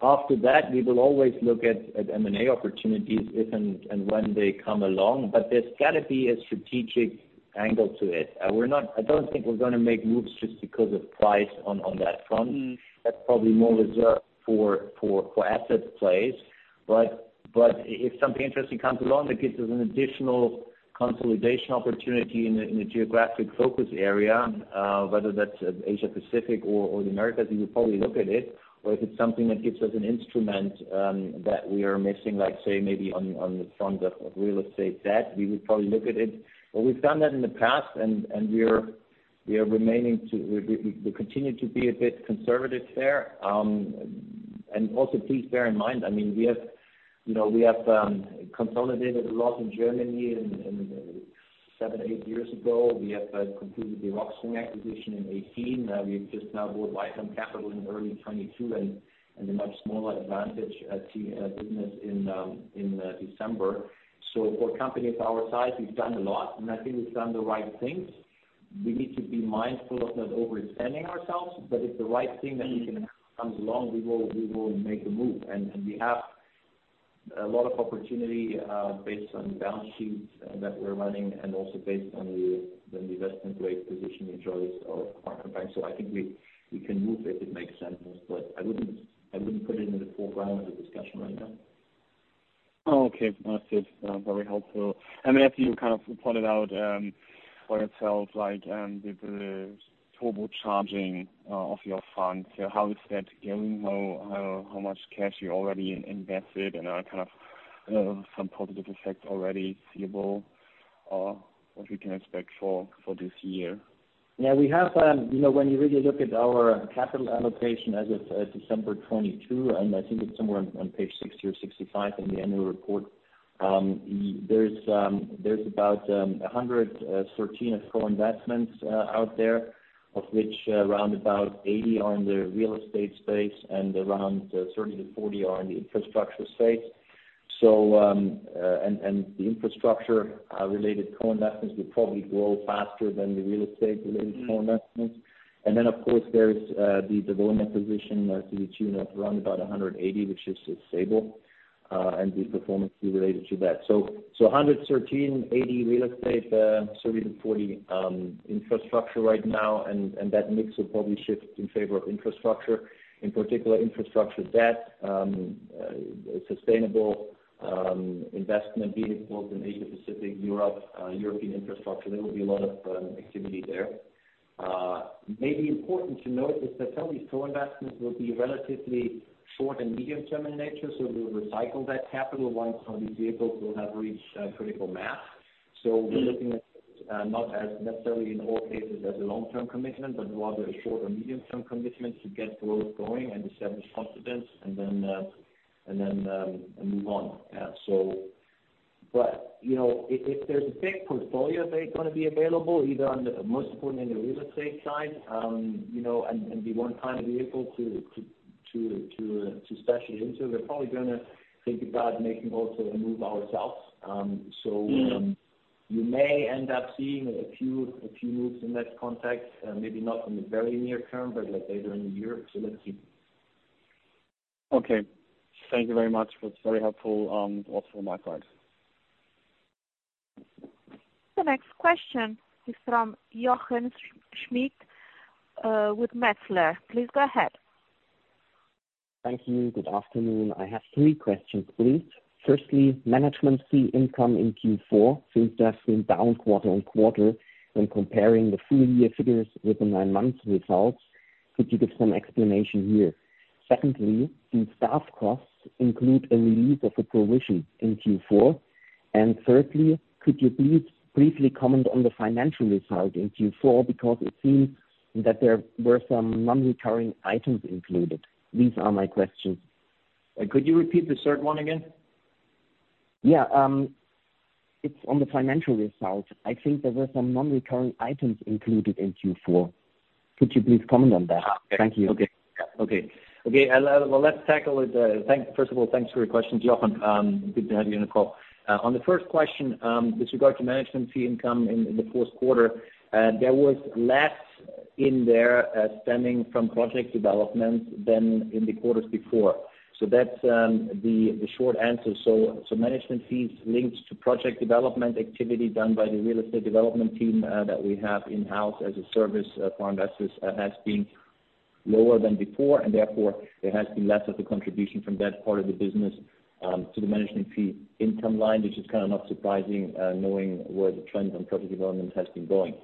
After that, we will always look at M&A opportunities if and when they come along. There's gotta be a strategic angle to it. I don't think we're gonna make moves just because of price on that front. That's probably more reserved for asset plays. If something interesting comes along that gives us an additional consolidation opportunity in the geographic focus area, whether that's Asia Pacific or the Americas, we would probably look at it, or if it's something that gives us an instrument that we are missing, like, say, maybe on the front of real estate debt, we would probably look at it. We've done that in the past and we're, we continue to be a bit conservative there. Also please bear in mind, I mean, we have, you know, we have consolidated a lot in Germany in seven, eight years ago. We have completed the Rockspring acquisition in 2018. We've just now bought Whitehelm Capital in early 2022 and a much smaller Advantage business in December. For a company of our size, we've done a lot, and I think we've done the right things. We need to be mindful of not overextending ourselves. If the right thing that we can acquire comes along, we will make a move. We have a lot of opportunity based on balance sheets that we're running and also based on the investment grade positioning choice of partner banks. I think we can move if it makes sense, but I wouldn't put it into the foreground of the discussion right now. Okay. Understood. Very helpful. I mean, as you kind of pointed out, for yourself, like, with the turbocharging of your funds, how is that going? How much cash you already invested and are kind of, some positive effects already seeable? What we can expect for this year? We have, you know, when you really look at our capital allocation as of December 2022, and I think it's somewhere on page 60 or 65 in the annual report, there's about 113 co-investments out there, of which around 80 are in the real estate space and around 30 to 40 are in the infrastructure space. The infrastructure related co-investments will probably grow faster than the real estate related co-investments. Of course, there is the development position to tune up around 180, which is sustainable, and the performance will be related to that. 113, 80 real estate, 30 to 40 infrastructure right now, that mix will probably shift in favor of infrastructure. In particular, infrastructure debt, sustainable investment vehicles in Asia Pacific, Europe, European infrastructure, there will be a lot of activity there. Maybe important to note is that some of these co-investments will be relatively short and medium-term in nature, so we'll recycle that capital once some of these vehicles will have reached critical mass. We're looking at not as necessarily in all cases as a long-term commitment, but rather a short or medium-term commitment to get growth going and establish confidence and then and then move on. But, you know, if there's a big portfolio that's gonna be available, either on the most important in the real estate side, you know, and we won't find a vehicle to specialize into, we're probably gonna think about making also a move ourselves. Um, so-ou may end up seeing a few moves in that context, maybe not in the very near term, but like later in the year. Let's see. Okay. Thank you very much. That's very helpful, also on my part. The next question is from Jochen Schmitt, with Metzler. Please go ahead. Thank you. Good afternoon. I have three questions, please. Firstly, management fee income in Q4 seems to have been down quarter-on-quarter when comparing the full year figures with the nine months results. Secondly, do staff costs include a release of a provision in Q4? Thirdly, could you please briefly comment on the financial result in Q4 because it seems that there were some non-recurring items included. These are my questions. Could you repeat the third one again? It's on the financial results. I think there were some non-recurring items included in Q4. Could you please comment on that? Thank you. Okay. Yeah. Okay. Okay. Well, let's tackle it. First of all, thanks for your question, Jochen. Good to have you on the call. On the first question, with regard to management fee income in the fourth quarter, there was less in there stemming from project development than in the quarters before. That's the short answer. Management fees linked to project development activity done by the real estate development team that we have in-house as a service for investors has been lower than before, and therefore, there has been less of a contribution from that part of the business to the management fee income line, which is kind of not surprising, knowing where the trend on project development has been going.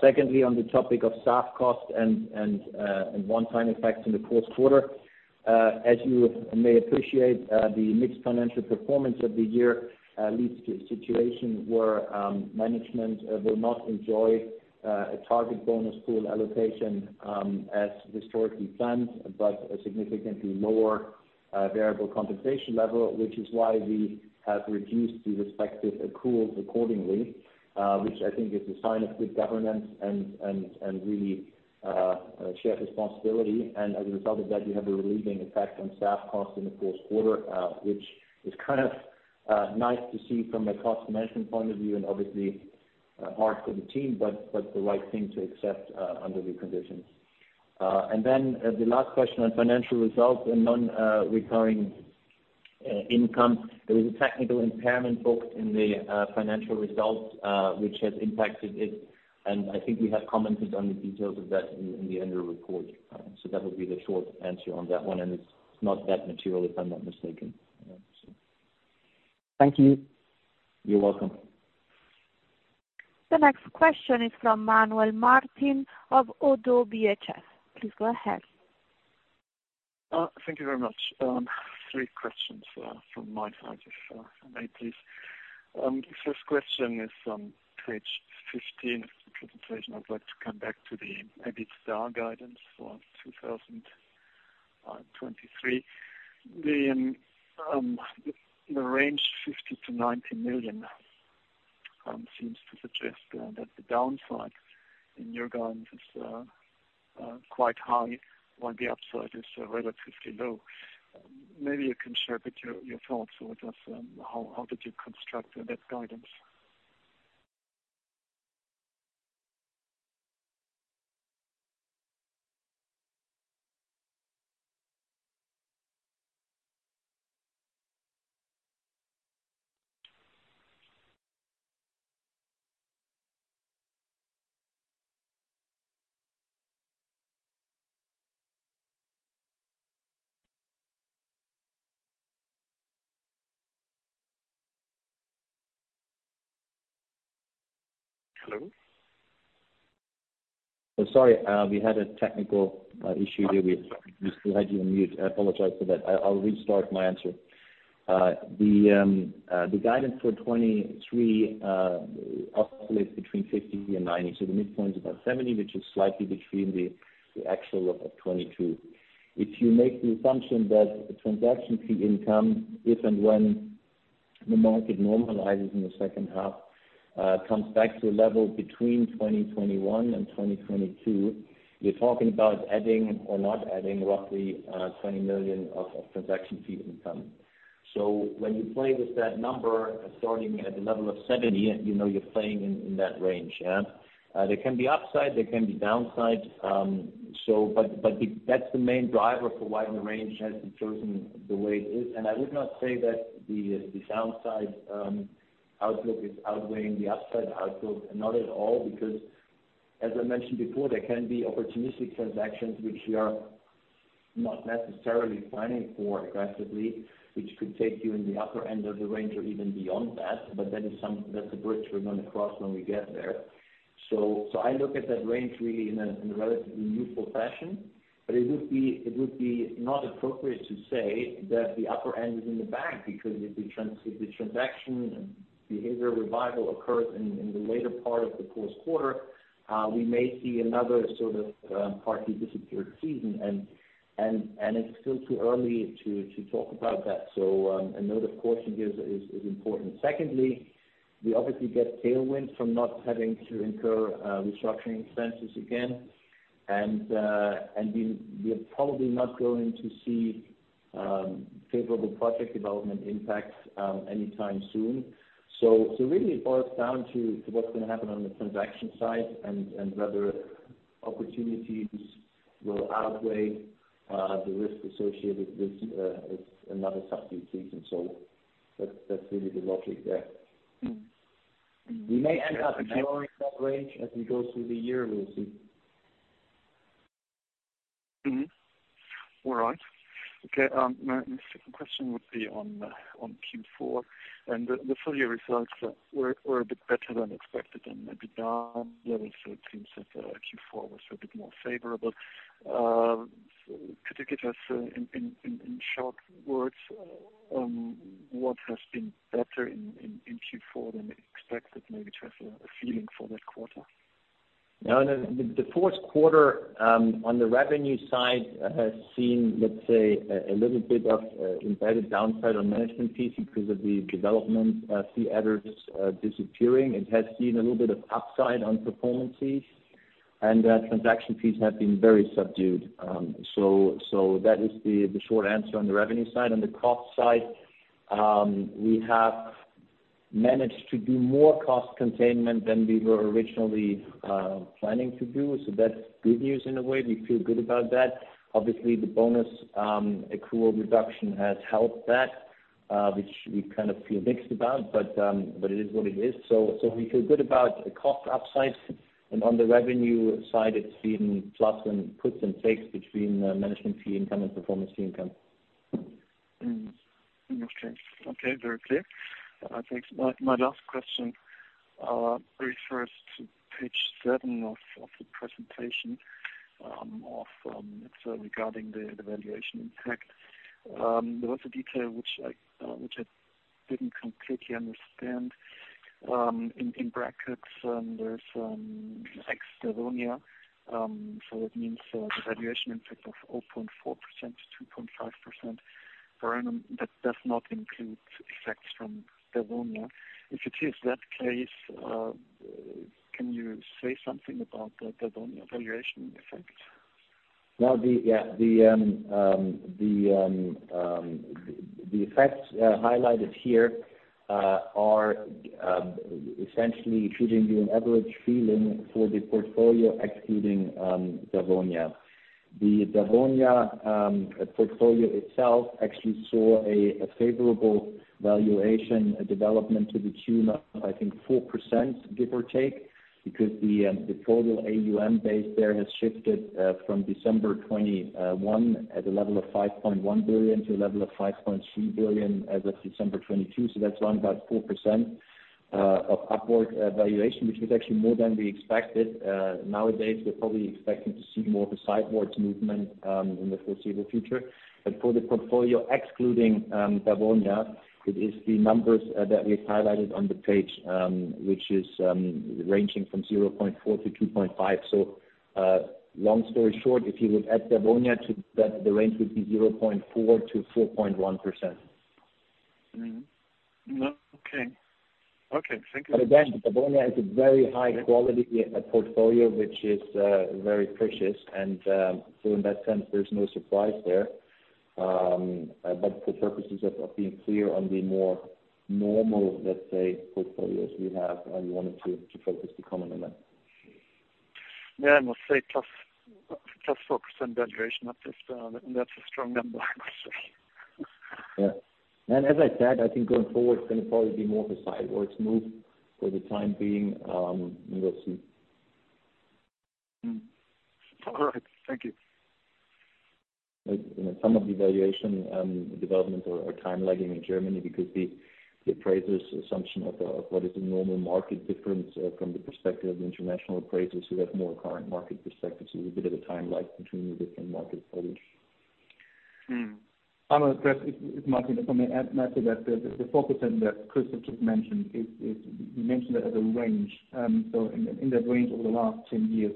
Secondly, on the topic of staff costs and one-time effects in the fourth quarter, as you may appreciate, the mixed financial performance of the year, leads to a situation where management will not enjoy a target bonus pool allocation, as historically planned, but a significantly lower variable compensation level, which is why we have reduced the respective accruals accordingly, which I think is a sign of good governance and really shared responsibility. As a result of that, you have a releasing effect on staff costs in the fourth quarter, which is kind of nice to see from a cost management point of view and obviously hard for the team, but the right thing to accept under the conditions. The last question on financial results and non-recurring income, there was a technical impairment booked in the financial results, which has impacted it, and I think we have commented on the details of that in the annual report. That would be the short answer on that one, and it's not that material, if I'm not mistaken. Thank you. You're welcome. The next question is from Manuel Martin of ODDO BHF. Please go ahead. Thank you very much. Three questions from my side, if I may please. First question is on page 15 of the presentation. I'd like to come back to the EBITDA guidance for 2023. The range 50 million-90 million seems to suggest that the downside in your guidance is quite high, while the upside is relatively low. Maybe you can share with your thoughts with us, how did you construct that guidance? Hello? Oh, sorry. We had a technical issue here. We still had you on mute. I apologize for that. I'll restart my answer. The guidance for 2023 oscillates between 50 million-90 million. The midpoint is about 70 million, which is slightly between the actual of 2022. If you make the assumption that the transaction fee income, if and when the market normalizes in the second half, comes back to a level between 2021 and 2022. You're talking about adding or not adding roughly 20 million of transaction fee income. When you play with that number, starting at the level of 70 million, you know you're playing in that range, yeah. There can be upside, there can be downside. The, that's the main driver for why the range has been chosen the way it is. I would not say that the downside outlook is outweighing the upside outlook. Not at all, because as I mentioned before, there can be opportunistic transactions which we are not necessarily planning for aggressively, which could take you in the upper end of the range or even beyond that. That is that's a bridge we're gonna cross when we get there. I look at that range really in a, in a relatively neutral fashion. It would be, it would be not appropriate to say that the upper end is in the bag, because if the transaction behavior revival occurs in the later part of the fourth quarter, we may see another sort of, partly disappeared season. It's still too early to talk about that. A note of caution here is important. Secondly, we obviously get tailwind from not having to incur restructuring expenses again. We're probably not going to see favorable project development impacts anytime soon. Really it boils down to what's going to happen on the transaction side and whether opportunities will outweigh the risk associated with another subdued season. That's really the logic there. We may end up ignoring that range as we go through the year. We'll see. All right. Okay. My second question would be on Q4 and the full year results were a bit better than expected and maybe down there also it seems that Q4 was a bit more favorable. Could you give us in short words what has been better in Q4 than expected? Maybe just a feeling for that quarter. No. The fourth quarter, on the revenue side has seen, let's say, a little bit of embedded downside on management fees because of the development fee adders disappearing. It has seen a little bit of upside on performance fees, and transaction fees have been very subdued. That is the short answer on the revenue side. On the cost side, we have managed to do more cost containment than we were originally planning to do. That's good news in a way. We feel good about that. Obviously, the bonus accrual reduction has helped that, which we kind of feel mixed about, but it is what it is. We feel good about the cost upside, and on the revenue side it's been plus and puts and takes between management fee income and performance fee income. Mm-hmm. Understood. Okay. Very clear. Thanks. My last question refers to page seven of the presentation, of, it's regarding the valuation impact. There was a detail which I didn't completely understand. In brackets, there's ex Dawonia, so it means the valuation impact of 0.4% to 2.5% per annum. That does not include effects from Dawonia. If it is that case, can you say something about the Dawonia valuation effect? Now the effects highlighted here are essentially giving you an average feeling for the portfolio excluding Dawonia. The Dawonia portfolio itself actually saw a favorable valuation development to the tune of, I think 4%, give or take, because the total AUM base there has shifted from December 2021 at a level of 5.1 billion to a level of 5.3 billion as of December 2022. That's around about 4% of upward valuation, which was actually more than we expected. Nowadays, we're probably expecting to see more of a sidewards movement in the foreseeable future. For the portfolio, excluding Dawonia, it is the numbers that we've highlighted on the page, which is ranging from 0.4%-2.5%. Long story short, if you would add Dawonia to that, the range would be 0.4%-4.1%. Mm-hmm. Okay. Okay. Thank you. Dawonia is a very high quality, portfolio which is, very precious. In that sense, there's no surprise there. For purposes of being clear on the more normal, let's say, portfolios we have, we wanted to focus the common element. Yeah. I must say +4% valuation, that is, that's a strong number, I must say. Yeah. As I said, I think going forward, it's going to probably be more of a sideways move for the time being, we will see. All right. Thank you. Some of the valuation development are time lagging in Germany because the appraiser's assumption of what is a normal market difference, from the perspective of international appraisers who have more current market perspectives, is a bit of a time lag between the different market footage. Mm-hmm. I'm gonna address, it's Martin. If I may add, Manuel, that the 4% that Christoph Glaser just mentioned is we mentioned that as a range. In that range over the last 10 years,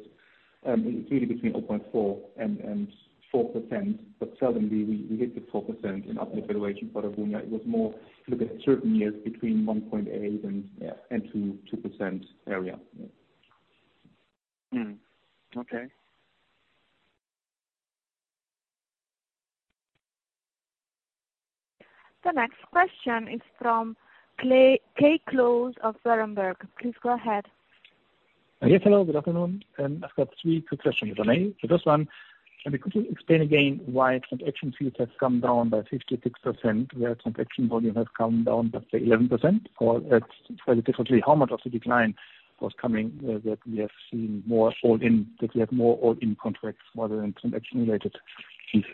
it's really between 0.4% and 4%, but seldomly we hit the 4% in upward valuation for Dawonia. It was more look at certain years between 1.8% and 2% area. Hmm. Okay. The next question is from Kai Klose of Berenberg. Please go ahead. Yes. Hello, good afternoon. I've got three quick questions on AUM. The first one, could you explain again why transaction fees have come down by 56% where transaction volume has come down by say 11%? Put it differently, how much of the decline was coming that we have seen more all-in, that we have more all-in contracts rather than transaction-related fees?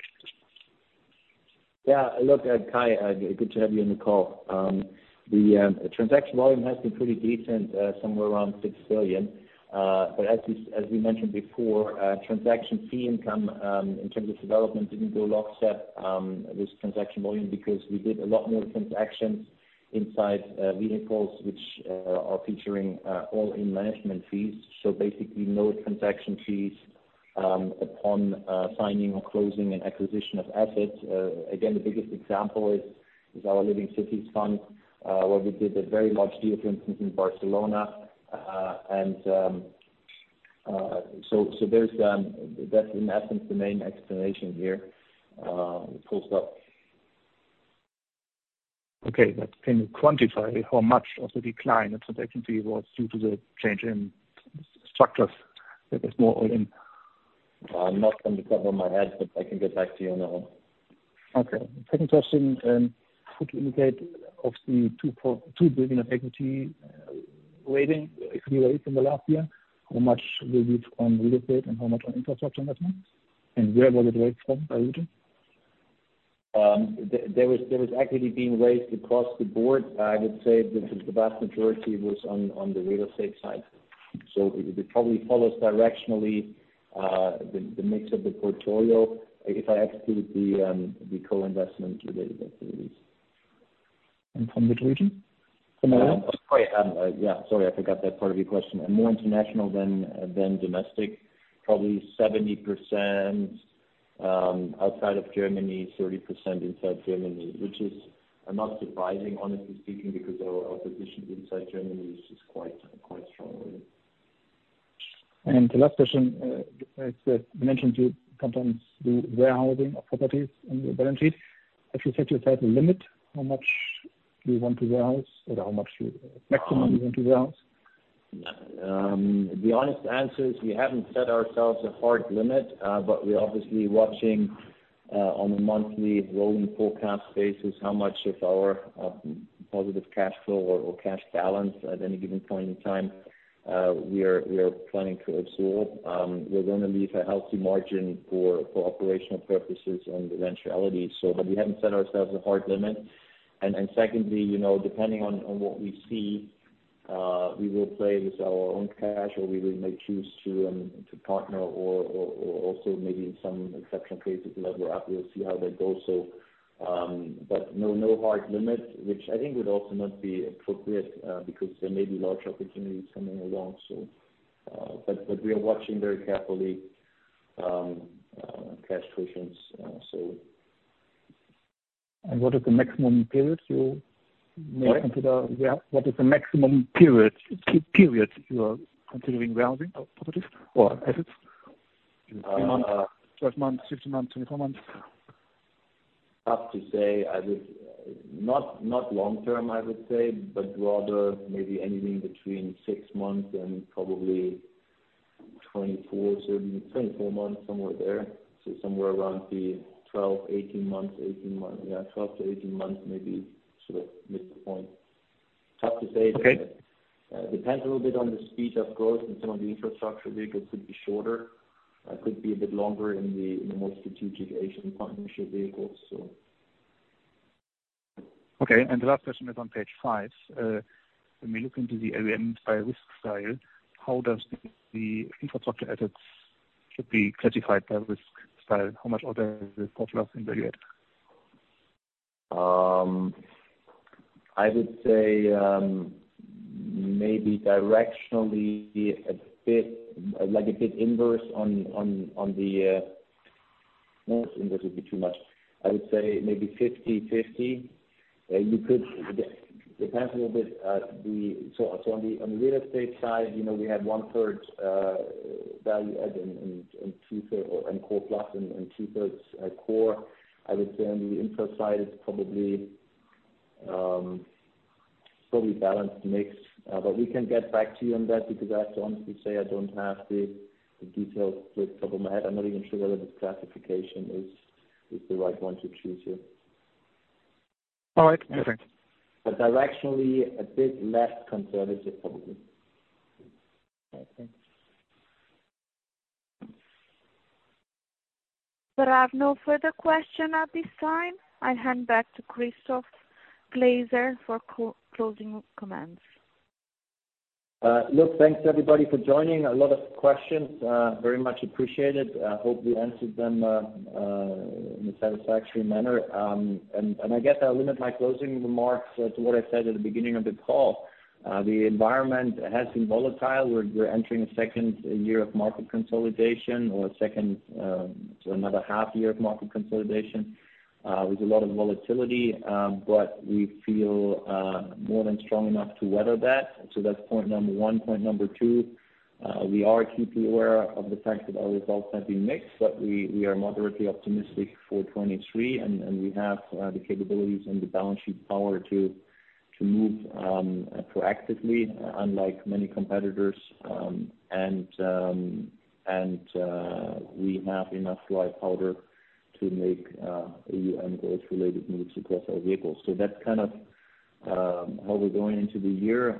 Look, Kai, good to have you on the call. The transaction volume has been pretty decent, somewhere around 6 billion. As we mentioned before, transaction fee income, in terms of development didn't go lockstep with transaction volume because we did a lot more transactions inside vehicles which are featuring all-in management fees. Basically no transaction fees upon signing or closing an acquisition of assets. Again, the biggest example is our Living Cities fund, where we did a very large deal, for instance, in Barcelona. There's that's in essence the main explanation here, first up. Okay. Can you quantify how much of the decline of transaction fee was due to the change in structures that was more all-in? Not from the top of my head, but I can get back to you on that one. Okay. Second question, could you indicate of the 2.2 billion of equity waiting to be raised in the last year, how much will be on real estate and how much on infrastructure investment? Where will it raise from, are you doing? There was equity being raised across the board. I would say the vast majority was on the real estate side. It probably follows directionally, the mix of the portfolio, if I exclude the co-investment related activities. From which region? From- Oh, sorry. Yeah, sorry, I forgot that part of your question. More international than domestic. Probably 70% outside of Germany, 30% inside Germany. Which is not surprising, honestly speaking, because our position inside Germany is quite strong really. The last question, is that you mentioned you sometimes do warehousing of properties on your balance sheet. Have you set yourself a limit how much you want to warehouse? Or how much you maximum you want to warehouse? The honest answer is we haven't set ourselves a hard limit, but we're obviously watching on a monthly rolling forecast basis how much of our positive cash flow or cash balance at any given point in time, we are planning to absorb. We're gonna leave a healthy margin for operational purposes and eventualities. We haven't set ourselves a hard limit. Secondly, you know, depending on what we see, we will play with our own cash or we will make choose to partner or also maybe in some exceptional cases lever up. We'll see how that goes so, but no hard limit, which I think would also not be appropriate, because there may be larger opportunities coming along, so. We are watching very carefully, cash positions, so. What is the maximum period you may consider? Sorry? Yeah. What is the maximum period you are considering warehousing of properties or assets? Three months, 12 months, 15 months, 24 months? Hard to say. Not long term, I would say, but rather maybe anything between six months and probably 24 months, somewhere there. Somewhere around the 12, 18 months. Yeah, 12 to 18 months maybe sort of mid-point. Hard to say. Depends a little bit on the speed of growth in some of the infrastructure vehicles could be shorter, could be a bit longer in the more strategic Asian partnership vehicles. Okay. The last question is on page five. When we look into the AUM by risk style, how does the infrastructure assets should be classified by risk style? How much of the portfolio is in value add? I would say, maybe directionally a bit, like a bit inverse. No, inverse would be too much. I would say maybe 50/50. It depends a little bit. On the real estate side, you know, we had 1/3 value add and core plus and 2/3 core. I would say on the infra side, it's probably balanced mix. We can get back to you on that because I have to honestly say I don't have the details there at the top of my head. I'm not even sure whether the classification is the right one to choose here. All right. Perfect. Directionally, a bit less conservative probably. I think. Sir, I have no further question at this time. I hand back to Christoph Glaser for closing comments. Look, thanks everybody for joining. A lot of questions, very much appreciated. I hope we answered them in a satisfactory manner. I guess I'll limit my closing remarks to what I said at the beginning of the call. The environment has been volatile. We're entering a second year of market consolidation or second, so another half year of market consolidation, with a lot of volatility. We feel more than strong enough to weather that. That's point number one. Point number two, we are acutely aware of the fact that our results have been mixed, we are moderately optimistic for 2023 and we have the capabilities and the balance sheet power to move proactively, unlike many competitors. We have enough dry powder to make EU and growth-related moves across our vehicles. That's kind of how we're going into the year.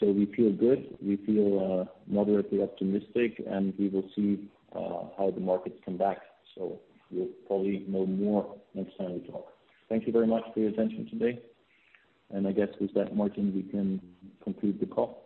We feel good. We feel moderately optimistic, and we will see how the markets come back. We'll probably know more next time we talk. Thank you very much for your attention today. I guess with that, Martin, we can conclude the call.